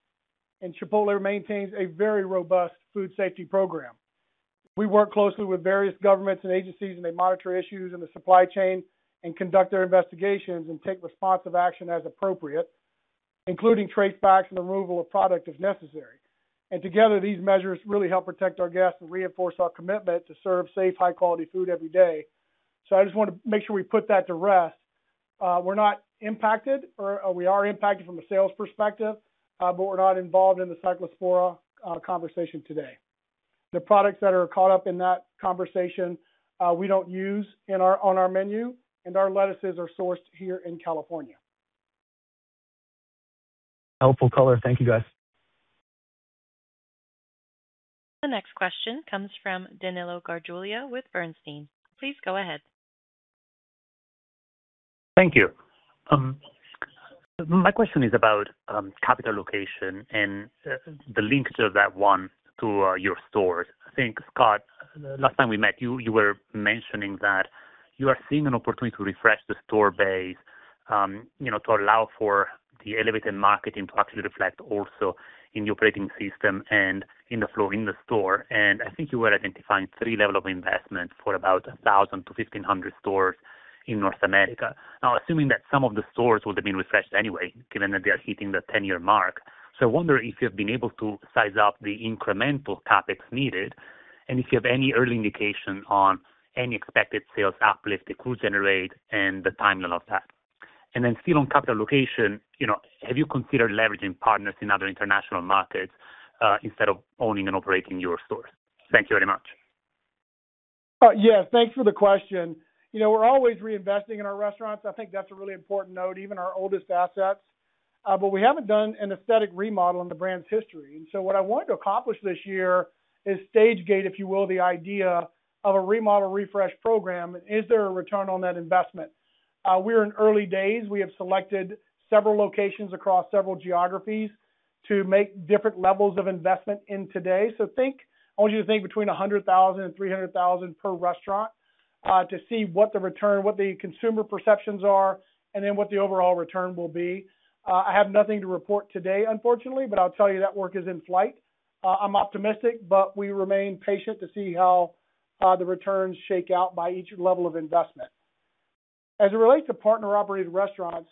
and Chipotle maintains a very robust food safety program. We work closely with various governments and agencies, and they monitor issues in the supply chain and conduct their investigations and take responsive action as appropriate, including trace backs and removal of product as necessary. Together, these measures really help protect our guests and reinforce our commitment to serve safe, high-quality food every day. I just want to make sure we put that to rest. We're not impacted, or we are impacted from a sales perspective, but we're not involved in the Cyclospora conversation today. The products that are caught up in that conversation, we don't use on our menu, and our lettuces are sourced here in California. Helpful color. Thank you, guys. The next question comes from Danilo Gargiulo with Bernstein. Please go ahead. Thank you. My question is about capital allocation and the link to that one to your stores. I think, Scott, last time we met you were mentioning that you are seeing an opportunity to refresh the store base, to allow for the elevated marketing to actually reflect also in your operating system and in the floor in the store. I think you were identifying three level of investment for about 1,000-1,500 stores in North America. Assuming that some of the stores would have been refreshed anyway, given that they are hitting the 10-year mark. I wonder if you have been able to size up the incremental topics needed, and if you have any early indication on any expected sales uplift it could generate and the timeline of that. Then still on capital allocation, have you considered leveraging partners in other international markets, instead of owning and operating your stores? Thank you very much. Yeah. Thanks for the question. We're always reinvesting in our restaurants. I think that's a really important note, even our oldest assets. We haven't done an aesthetic remodel in the brand's history. What I wanted to accomplish this year is stage gate, if you will, the idea of a remodel refresh program, and is there a return on that investment? We are in early days. We have selected several locations across several geographies to make different levels of investment in today. I want you to think between $100,000-$300,000 per restaurant, to see what the return, what the consumer perceptions are, and then what the overall return will be. I have nothing to report today, unfortunately, but I'll tell you that work is in flight. I'm optimistic, but we remain patient to see how the returns shake out by each level of investment. As it relates to partner-operated restaurants,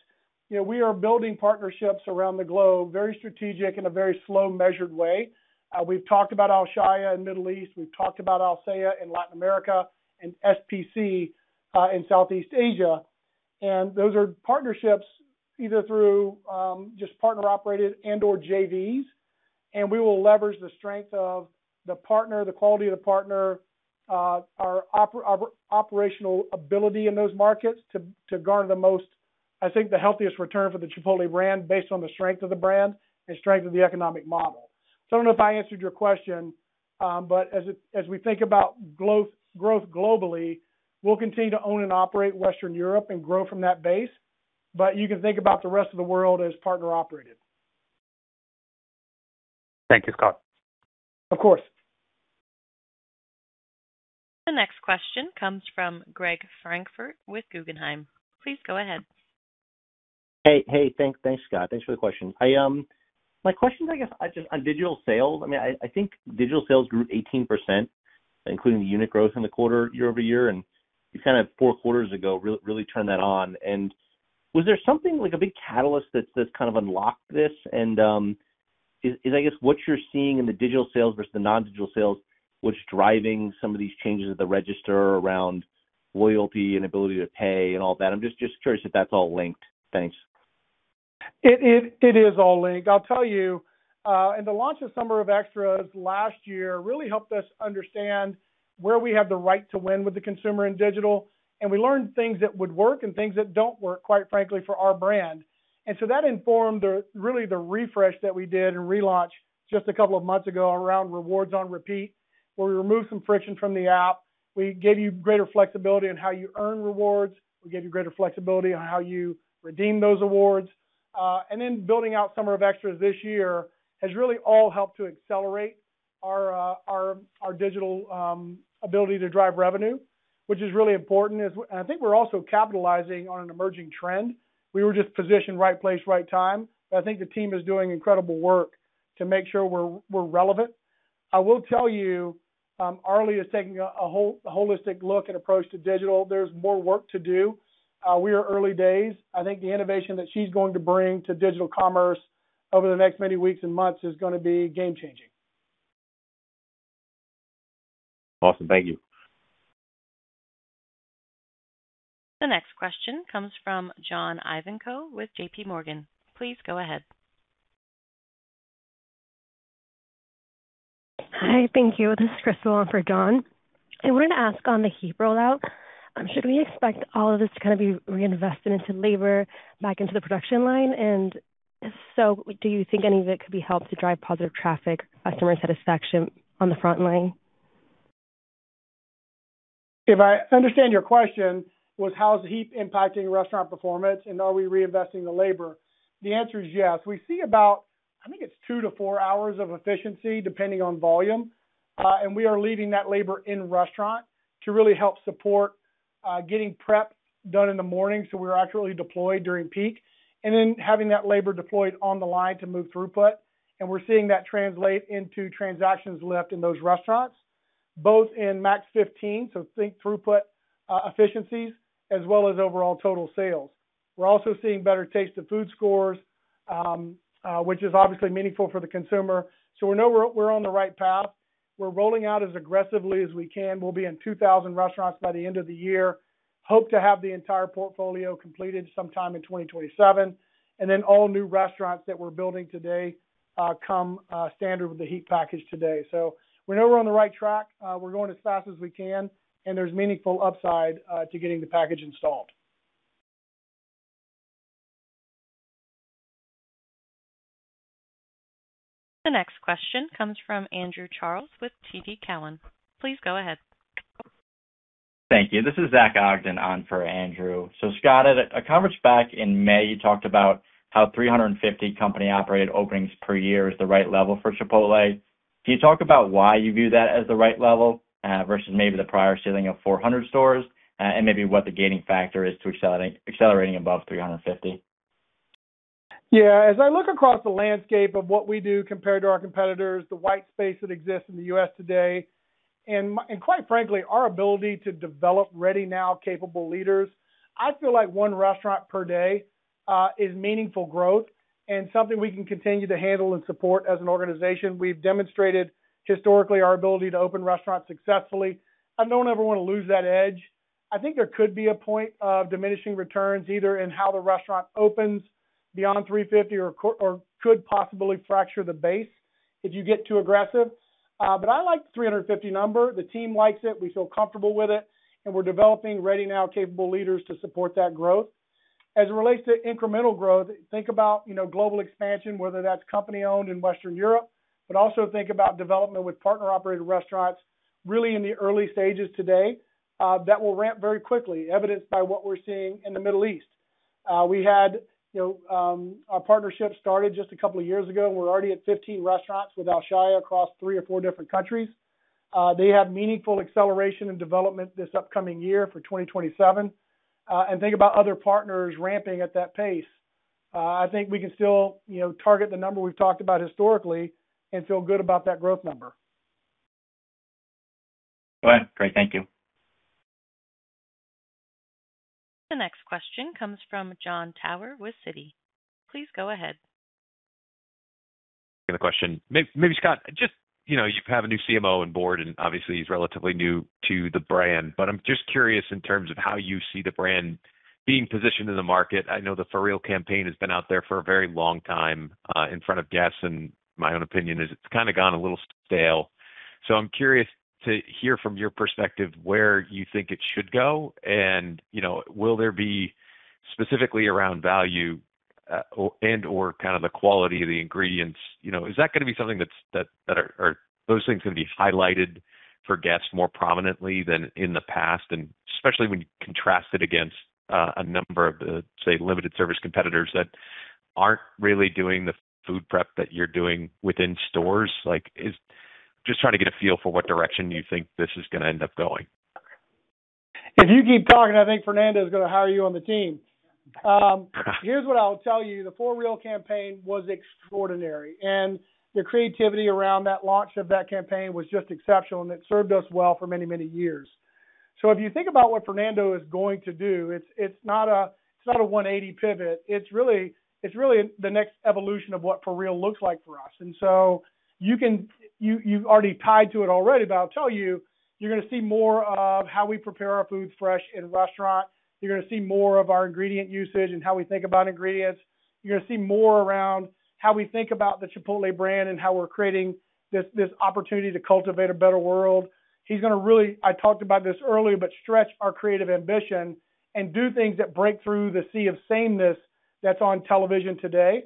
we are building partnerships around the globe, very strategic in a very slow, measured way. We've talked about Alshaya in Middle East, we've talked about Alsea in Latin America, and SPC in Southeast Asia. Those are partnerships either through, just partner-operated and/or JVs, and we will leverage the strength of the partner, the quality of the partner, our operational ability in those markets to garner the most, I think, the healthiest return for the Chipotle brand based on the strength of the brand and strength of the economic model. I don't know if I answered your question, but as we think about growth globally, we'll continue to own and operate Western Europe and grow from that base, but you can think about the rest of the world as partner operated. Thank you, Scott. Of course. The next question comes from Greg Francfort with Guggenheim. Please go ahead. Hey. Thanks, Scott. Thanks for the question. My question is, I guess, just on digital sales. I think digital sales grew 18%, including the unit growth in the quarter year-over-year. You kind of four quarters ago, really turned that on. Was there something like a big catalyst that's just kind of unlocked this? Is I guess what you're seeing in the digital sales versus the non-digital sales, what's driving some of these changes at the register around loyalty and ability to pay and all that? I'm just curious if that's all linked. Thanks. It is all linked. I'll tell you. The launch of Summer of Extras last year really helped us understand where we have the right to win with the consumer in digital. We learned things that would work and things that don't work, quite frankly, for our brand. That informed really the refresh that we did and relaunch just a couple of months ago around rewards on repeat, where we removed some friction from the app. We gave you greater flexibility on how you earn rewards. We gave you greater flexibility on how you redeem those awards. Building out Summer of Extras this year has really all helped to accelerate our digital ability to drive revenue, which is really important. I think we're also capitalizing on an emerging trend. We were just positioned right place, right time. I think the team is doing incredible work to make sure we're relevant. I will tell you, Arlie is taking a holistic look and approach to digital. There's more work to do. We are early days. I think the innovation that she's going to bring to digital commerce over the next many weeks and months is going to be game changing. Awesome. Thank you. The next question comes from John Ivankoe with J.P. Morgan. Please go ahead. Hi, thank you. This is Crystal for John. I wanted to ask on the HEAP rollout, should we expect all of this to kind of be reinvested into labor back into the production line? If so, do you think any of it could be helped to drive positive traffic, customer satisfaction on the front line? If I understand your question was how is HEAP impacting restaurant performance and are we reinvesting the labor? The answer is yes. We see about, I think it's two to four hours of efficiency, depending on volume. We are leaving that labor in-restaurant to really help support getting prep done in the morning, so we are actually deployed during peak, then having that labor deployed on the line to move throughput. We're seeing that translate into transactions left in those restaurants, both in Max 15, so think throughput efficiencies, as well as overall total sales. We're also seeing better taste of food scores, which is obviously meaningful for the consumer. We know we're on the right path. We're rolling out as aggressively as we can. We'll be in 2,000 restaurants by the end of the year. Hope to have the entire portfolio completed sometime in 2027. All new restaurants that we're building today come standard with the HEAP package today. We know we're on the right track. We're going as fast as we can, and there's meaningful upside to getting the package installed. The next question comes from Andrew Charles with TD Cowen. Please go ahead. Thank you. This is Zach Ogden on for Andrew. Scott, at a conference back in May, you talked about how 350 company-operated openings per year is the right level for Chipotle. Can you talk about why you view that as the right level, versus maybe the prior ceiling of 400 stores, and maybe what the gaining factor is to accelerating above 350? As I look across the landscape of what we do compared to our competitors, the white space that exists in the U.S. today, and quite frankly, our ability to develop ready now capable leaders, I feel like one restaurant per day, is meaningful growth and something we can continue to handle and support as an organization. We've demonstrated historically our ability to open restaurants successfully. I don't ever want to lose that edge. I think there could be a point of diminishing returns, either in how the restaurant opens beyond 350 or could possibly fracture the base if you get too aggressive. I like the 350 number. The team likes it. We feel comfortable with it. We're developing ready now capable leaders to support that growth. As it relates to incremental growth, think about global expansion, whether that's company-owned in Western Europe, but also think about development with partner-operated restaurants really in the early stages today. That will ramp very quickly, evidenced by what we're seeing in the Middle East. Our partnership started just a couple of years ago, and we're already at 15 restaurants with Alshaya across three or four different countries. They have meaningful acceleration and development this upcoming year for 2027. Think about other partners ramping at that pace. I think we can still target the number we've talked about historically and feel good about that growth number. Go ahead. Great. Thank you. The next question comes from Jon Tower with Citi. Please go ahead. Give a question. Maybe, Scott, you have a new CMO on board, and obviously, he's relatively new to the brand, but I'm just curious in terms of how you see the brand being positioned in the market. I know the For Real campaign has been out there for a very long time, in front of guests, and my own opinion is it's kind of gone a little stale. I'm curious to hear from your perspective where you think it should go, and will there be specifically around value, and/or kind of the quality of the ingredients. Is that going to be something that those things going to be highlighted for guests more prominently than in the past, and especially when you contrast it against a number of the, say, limited service competitors that aren't really doing the food prep that you're doing within stores? Just trying to get a feel for what direction you think this is going to end up going. If you keep talking, I think Fernando is going to hire you on the team. Here's what I'll tell you. The For Real campaign was extraordinary. The creativity around that launch of that campaign was just exceptional, and it served us well for many, many years. If you think about what Fernando is going to do, it's not a 180 pivot. It's really the next evolution of what For Real looks like for us. You've already tied to it already, but I'll tell you're going to see more of how we prepare our food fresh in-restaurant. You're going to see more of our ingredient usage and how we think about ingredients. You're going to see more around how we think about the Chipotle brand and how we're creating this opportunity to cultivate a better world. He's going to really, I talked about this earlier, but stretch our creative ambition and do things that break through the sea of sameness that's on television today.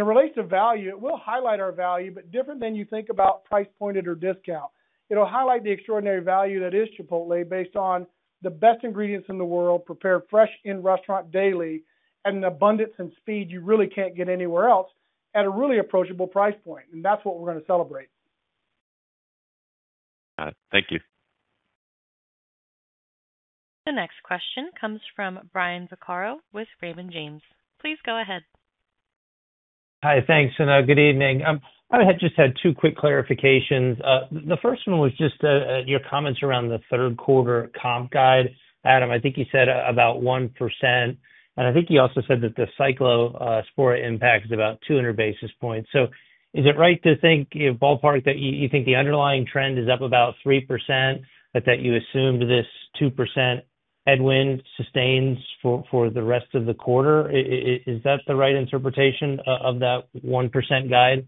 It relates to value. We'll highlight our value, but different than you think about price pointed or discount. It'll highlight the extraordinary value that is Chipotle based on the best ingredients in the world, prepared fresh in-restaurant daily, at an abundance and speed you really can't get anywhere else, at a really approachable price point. That's what we're going to celebrate. Got it. Thank you. The next question comes from Brian Vaccaro with Raymond James. Please go ahead. Hi. Thanks, and good evening. I just had two quick clarifications. The first one was just your comments around the third quarter comp guide. Adam, I think you said about 1%, and I think you also said that the Cyclospora impact is about 200 basis points. Is it right to think, ballpark, that you think the underlying trend is up about 3%, but that you assumed this 2% headwind sustains for the rest of the quarter? Is that the right interpretation of that 1% guide?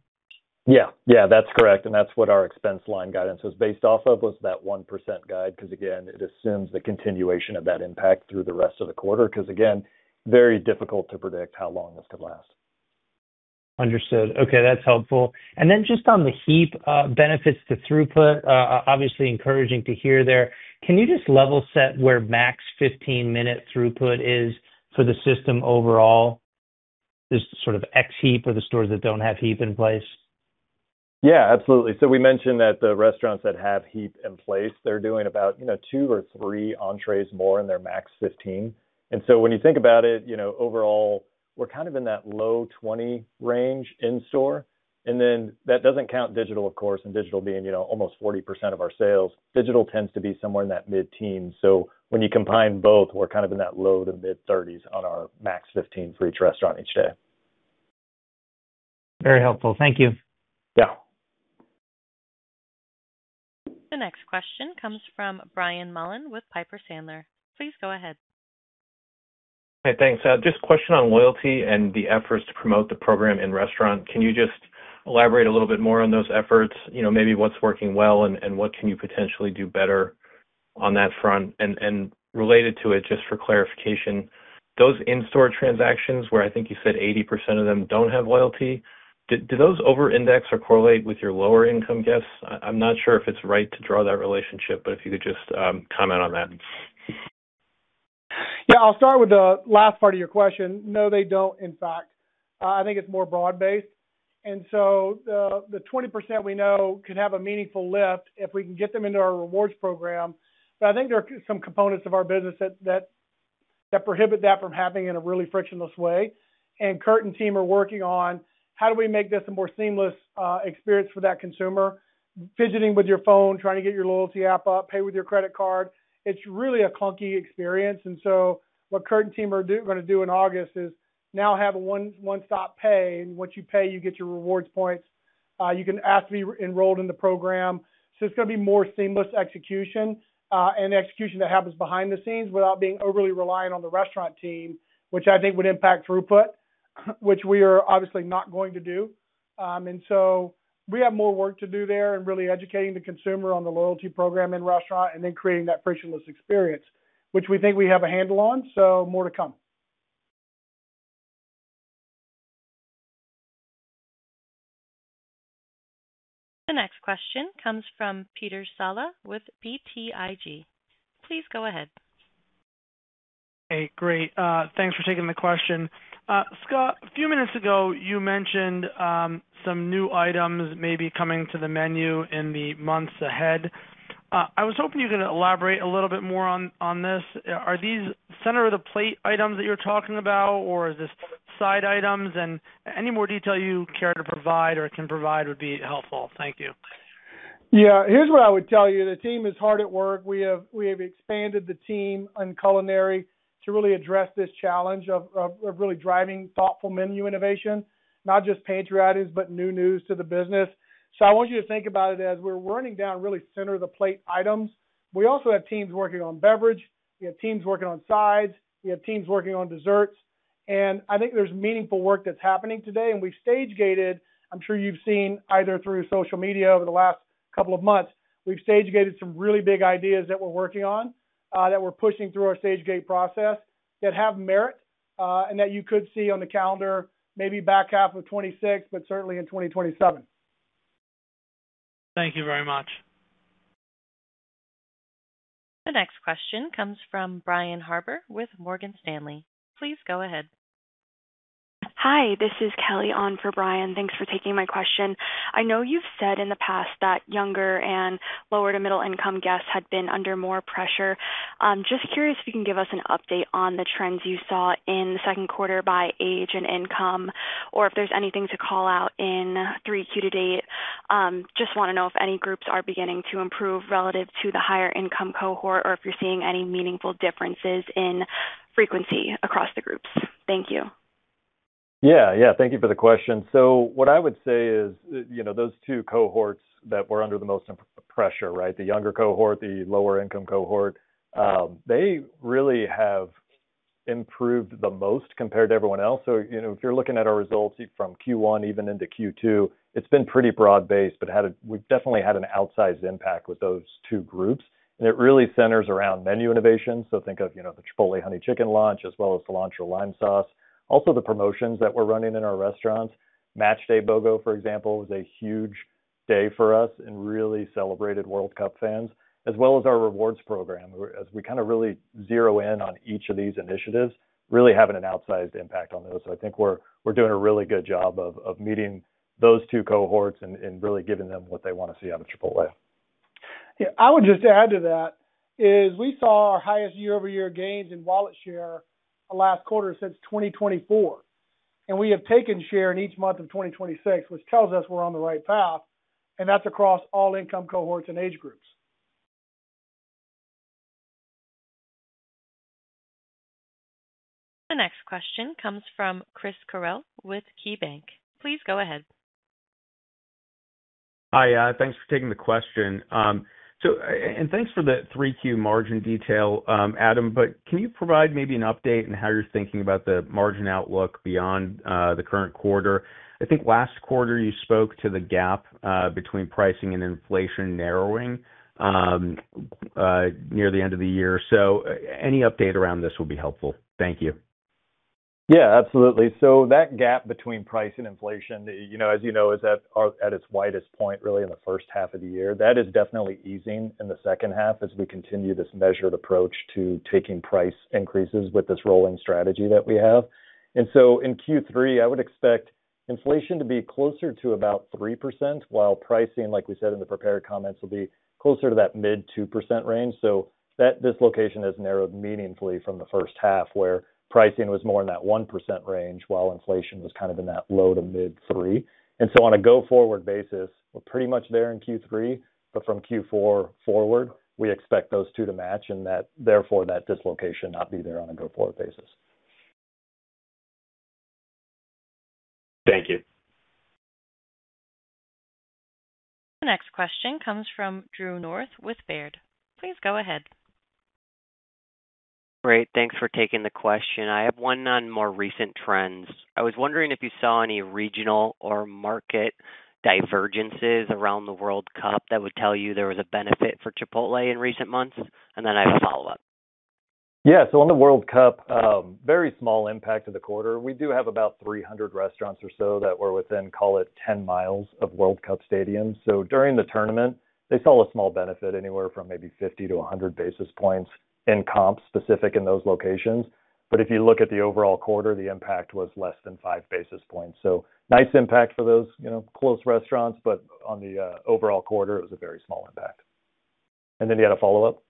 Yeah. That's correct. That's what our expense line guidance was based off of, was that 1% guide. It assumes the continuation of that impact through the rest of the quarter. Very difficult to predict how long this could last. Understood. Okay, that's helpful. Then just on the HEAP benefits to throughput, obviously encouraging to hear there. Can you just level set where Max 15-minute throughput is for the system overall, just sort of ex HEAP or the stores that don't have HEAP in place? Absolutely. We mentioned that the restaurants that have HEAP in place, they're doing about two or three entrees more in their Max 15. When you think about it, overall, we're kind of in that low 20 range in-store. That doesn't count digital, of course. Digital being almost 40% of our sales. Digital tends to be somewhere in that mid-teen. When you combine both, we're kind of in that low to mid-30s on our Max 15 for each restaurant each day. Very helpful. Thank you. Yeah. The next question comes from Brian Mullan with Piper Sandler. Please go ahead. Thanks. Just a question on loyalty and the efforts to promote the program in-restaurant. Can you just elaborate a little bit more on those efforts? Maybe what's working well and what can you potentially do better on that front? Related to it, just for clarification, those in-store transactions where I think you said 80% of them don't have loyalty, do those over-index or correlate with your lower income guests? I'm not sure if it's right to draw that relationship, but if you could just comment on that. Yeah. I'll start with the last part of your question. No, they don't, in fact. I think it's more broad-based. The 20% we know could have a meaningful lift if we can get them into our rewards program. I think there are some components of our business that prohibit that from happening in a really frictionless way. Curt and team are working on how do we make this a more seamless experience for that consumer. Fidgeting with your phone, trying to get your loyalty app up, pay with your credit card. It's really a clunky experience. What Curt and team are going to do in August is now have a one-stop pay. Once you pay, you get your rewards points. You can ask to be enrolled in the program. It's going to be more seamless execution, and execution that happens behind the scenes without being overly reliant on the restaurant team, which I think would impact throughput, which we are obviously not going to do. We have more work to do there in really educating the consumer on the loyalty program in-restaurant, and then creating that frictionless experience, which we think we have a handle on. More to come. The next question comes from Peter Saleh with BTIG. Please go ahead. Hey, great. Thanks for taking the question. Scott, a few minutes ago, you mentioned some new items maybe coming to the menu in the months ahead. I was hoping you could elaborate a little bit more on this. Are these center of the plate items that you're talking about, or is this side items? Any more detail you care to provide or can provide would be helpful. Thank you. Yeah. Here's what I would tell you. The team is hard at work. We have expanded the team in culinary to really address this challenge of really driving thoughtful menu innovation, not just pantry items, but new news to the business. I want you to think about it as we're running down really center of the plate items. We also have teams working on beverage, we have teams working on sides, we have teams working on desserts, and I think there's meaningful work that's happening today. We've stage-gated, I'm sure you've seen either through social media over the last couple of months, we've stage-gated some really big ideas that we're working on, that we're pushing through our stage-gate process that have merit, and that you could see on the calendar maybe back half of 2026, but certainly in 2027. Thank you very much. The next question comes from Brian Harbour with Morgan Stanley. Please go ahead. Hi, this is Kelly on for Brian. Thanks for taking my question. I know you've said in the past that younger and lower to middle income guests had been under more pressure. Just curious if you can give us an update on the trends you saw in the second quarter by age and income, or if there's anything to call out in 3Q to date. Just want to know if any groups are beginning to improve relative to the higher income cohort, or if you're seeing any meaningful differences in frequency across the groups. Thank you. Thank you for the question. What I would say is, those two cohorts that were under the most pressure, right? The younger cohort, the lower income cohort, they really have improved the most compared to everyone else. If you're looking at our results from Q1 even into Q2, it's been pretty broad-based, but we've definitely had an outsized impact with those two groups. It really centers around menu innovation. Think of the Chipotle Honey Chicken launch, as well as Cilantro Lime Sauce. Also, the promotions that we're running in our restaurants. Matchday BOGO, for example, was a huge day for us and really celebrated World Cup fans, as well as our rewards program. As we kind of really zero in on each of these initiatives, really having an outsized impact on those. I think we're doing a really good job of meeting those two cohorts and really giving them what they want to see out of Chipotle. I would just add to that, is we saw our highest year-over-year gains in wallet share last quarter since 2024. We have taken share in each month of 2026, which tells us we're on the right path, and that's across all income cohorts and age groups. The next question comes from Chris Carril with KeyBanc. Please go ahead. Hi. Thanks for taking the question. Thanks for the 3Q margin detail, Adam. Can you provide maybe an update on how you're thinking about the margin outlook beyond the current quarter? I think last quarter you spoke to the gap between pricing and inflation narrowing near the end of the year. Any update around this will be helpful. Thank you. Yeah, absolutely. That gap between price and inflation, as you know, is at its widest point really in the first half of the year. That is definitely easing in the second half as we continue this measured approach to taking price increases with this rolling strategy that we have. In Q3, I would expect inflation to be closer to about 3%, while pricing, like we said in the prepared comments, will be closer to that mid 2% range. This location has narrowed meaningfully from the first half, where pricing was more in that 1% range while inflation was kind of in that low to mid 3%. On a go-forward basis, we're pretty much there in Q3, but from Q4 forward, we expect those two to match and that therefore that dislocation not be there on a go-forward basis. Thank you. The next question comes from Drew North with Baird. Please go ahead. Great. Thanks for taking the question. I have one on more recent trends. I was wondering if you saw any regional or market divergences around the World Cup that would tell you there was a benefit for Chipotle in recent months, and then I have a follow-up. Yeah. On the World Cup, very small impact to the quarter. We do have about 300 restaurants or so that were within, call it, 10 miles of World Cup stadiums. During the tournament, they saw a small benefit anywhere from maybe 50 to 100 basis points in comps specific in those locations. But if you look at the overall quarter, the impact was less than five basis points. Nice impact for those close restaurants, but on the overall quarter, it was a very small impact. You had a follow-up?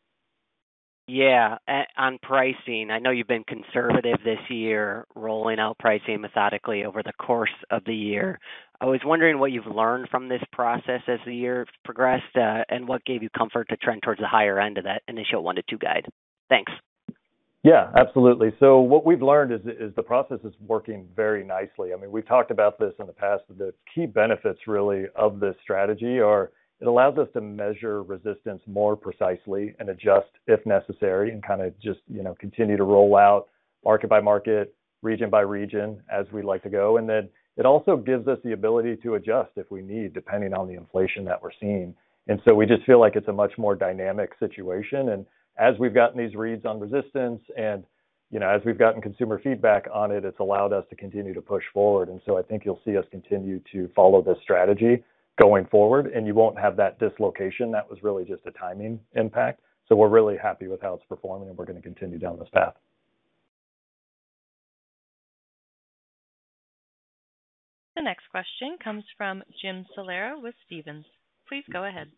Yeah. On pricing, I know you've been conservative this year, rolling out pricing methodically over the course of the year. I was wondering what you've learned from this process as the year progressed, and what gave you comfort to trend towards the higher end of that initial one to two guide. Thanks. Yeah, absolutely. What we've learned is the process is working very nicely. I mean, we've talked about this in the past. The key benefits really of this strategy are it allows us to measure resistance more precisely and adjust if necessary and kind of just continue to roll out market by market, region by region as we like to go. It also gives us the ability to adjust if we need, depending on the inflation that we're seeing. We just feel like it's a much more dynamic situation. As we've gotten these reads on resistance and as we've gotten consumer feedback on it's allowed us to continue to push forward. I think you'll see us continue to follow this strategy going forward, and you won't have that dislocation. That was really just a timing impact. We're really happy with how it's performing, and we're going to continue down this path. The next question comes from Jim Salera with Stephens. Please go ahead.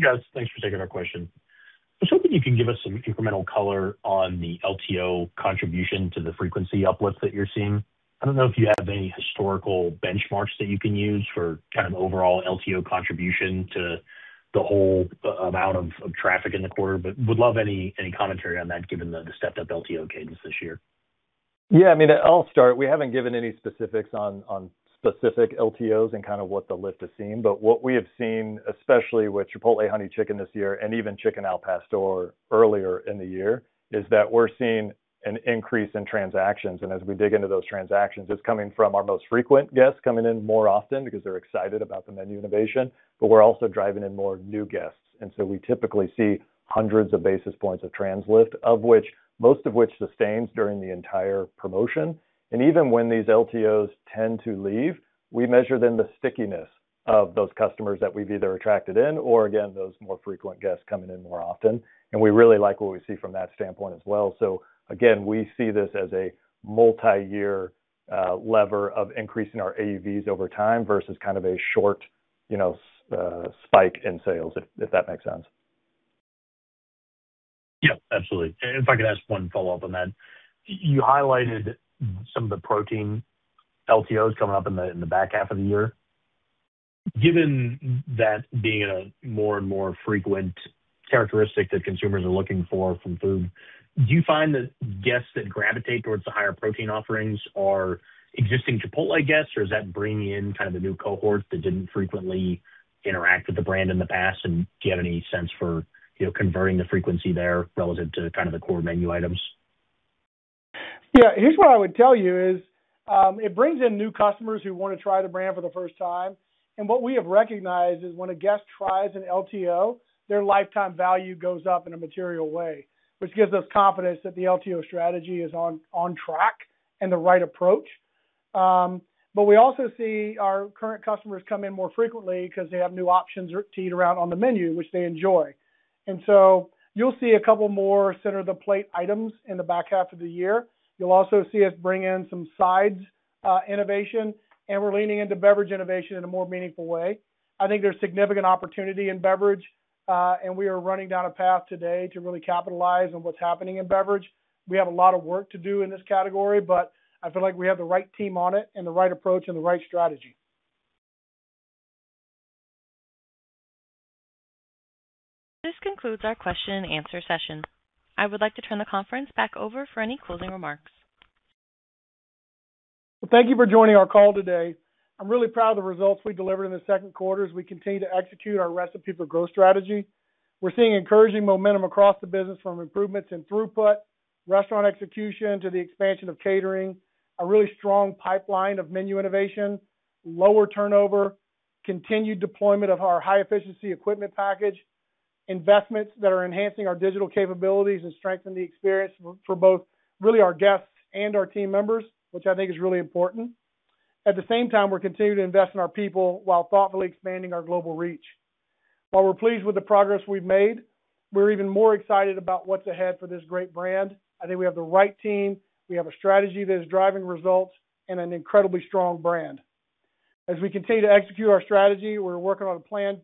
Yes, thanks for taking our question. I was hoping you can give us some incremental color on the LTO contribution to the frequency uplift that you're seeing. I don't know if you have any historical benchmarks that you can use for kind of overall LTO contribution to the whole amount of traffic in the quarter, but would love any commentary on that given the stepped-up LTO cadence this year. I mean, I'll start. We haven't given any specifics on specific LTOs and kind of what the lift has seen. What we have seen, especially with Chipotle Honey Chicken this year and even Chicken al Pastor earlier in the year, is that we're seeing an increase in transactions. As we dig into those transactions, it's coming from our most frequent guests coming in more often because they're excited about the menu innovation. We're also driving in more new guests. We typically see hundreds of basis points of transaction lift, most of which sustains during the entire promotion. Even when these LTOs tend to leave, we measure then the stickiness of those customers that we've either attracted in or again, those more frequent guests coming in more often. We really like what we see from that standpoint as well. Again, we see this as a multi-year lever of increasing our AUVs over time versus kind of a short spike in sales, if that makes sense. Yeah, absolutely. If I could ask one follow-up on that. You highlighted some of the protein LTOs coming up in the back half of the year. Given that being a more and more frequent characteristic that consumers are looking for from food, do you find that guests that gravitate towards the higher protein offerings are existing Chipotle guests, or does that bring in kind of a new cohort that didn't frequently interact with the brand in the past? Do you have any sense for converting the frequency there relative to kind of the core menu items? Yeah. Here's what I would tell you is, it brings in new customers who want to try the brand for the first time. What we have recognized is when a guest tries an LTO, their lifetime value goes up in a material way, which gives us confidence that the LTO strategy is on track and the right approach. We also see our current customers come in more frequently because they have new options to eat around on the menu, which they enjoy. You'll see a couple more center-of-the-plate items in the back half of the year. You'll also see us bring in some sides innovation. We're leaning into beverage innovation in a more meaningful way. I think there's significant opportunity in beverage. We are running down a path today to really capitalize on what's happening in beverage. We have a lot of work to do in this category, I feel like we have the right team on it and the right approach and the right strategy. This concludes our question and answer session. I would like to turn the conference back over for any closing remarks. Well, thank you for joining our call today. I'm really proud of the results we delivered in the second quarter as we continue to execute our Recipe for Growth strategy. We're seeing encouraging momentum across the business from improvements in throughput, restaurant execution to the expansion of catering, a really strong pipeline of menu innovation, lower turnover, continued deployment of our High-Efficiency Equipment Package, investments that are enhancing our digital capabilities and strengthen the experience for both really our guests and our team members, which I think is really important. At the same time, we're continuing to invest in our people while thoughtfully expanding our global reach. While we're pleased with the progress we've made, we're even more excited about what's ahead for this great brand. I think we have the right team. We have a strategy that is driving results and an incredibly strong brand. As we continue to execute our strategy, we're working on a plan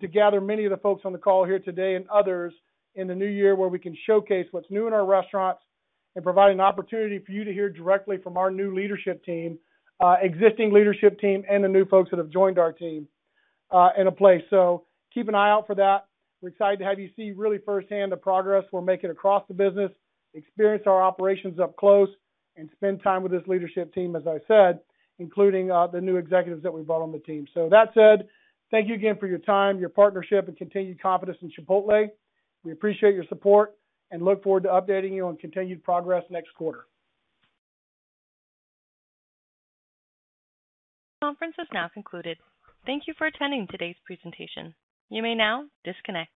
to gather many of the folks on the call here today and others in the new year where we can showcase what's new in our restaurants and provide an opportunity for you to hear directly from our new leadership team, existing leadership team, and the new folks that have joined our team in a place. Keep an eye out for that. We're excited to have you see really firsthand the progress we're making across the business, experience our operations up close, and spend time with this leadership team, as I said, including the new executives that we brought on the team. That said, thank you again for your time, your partnership, and continued confidence in Chipotle. We appreciate your support and look forward to updating you on continued progress next quarter. Conference is now concluded. Thank you for attending today's presentation. You may now disconnect.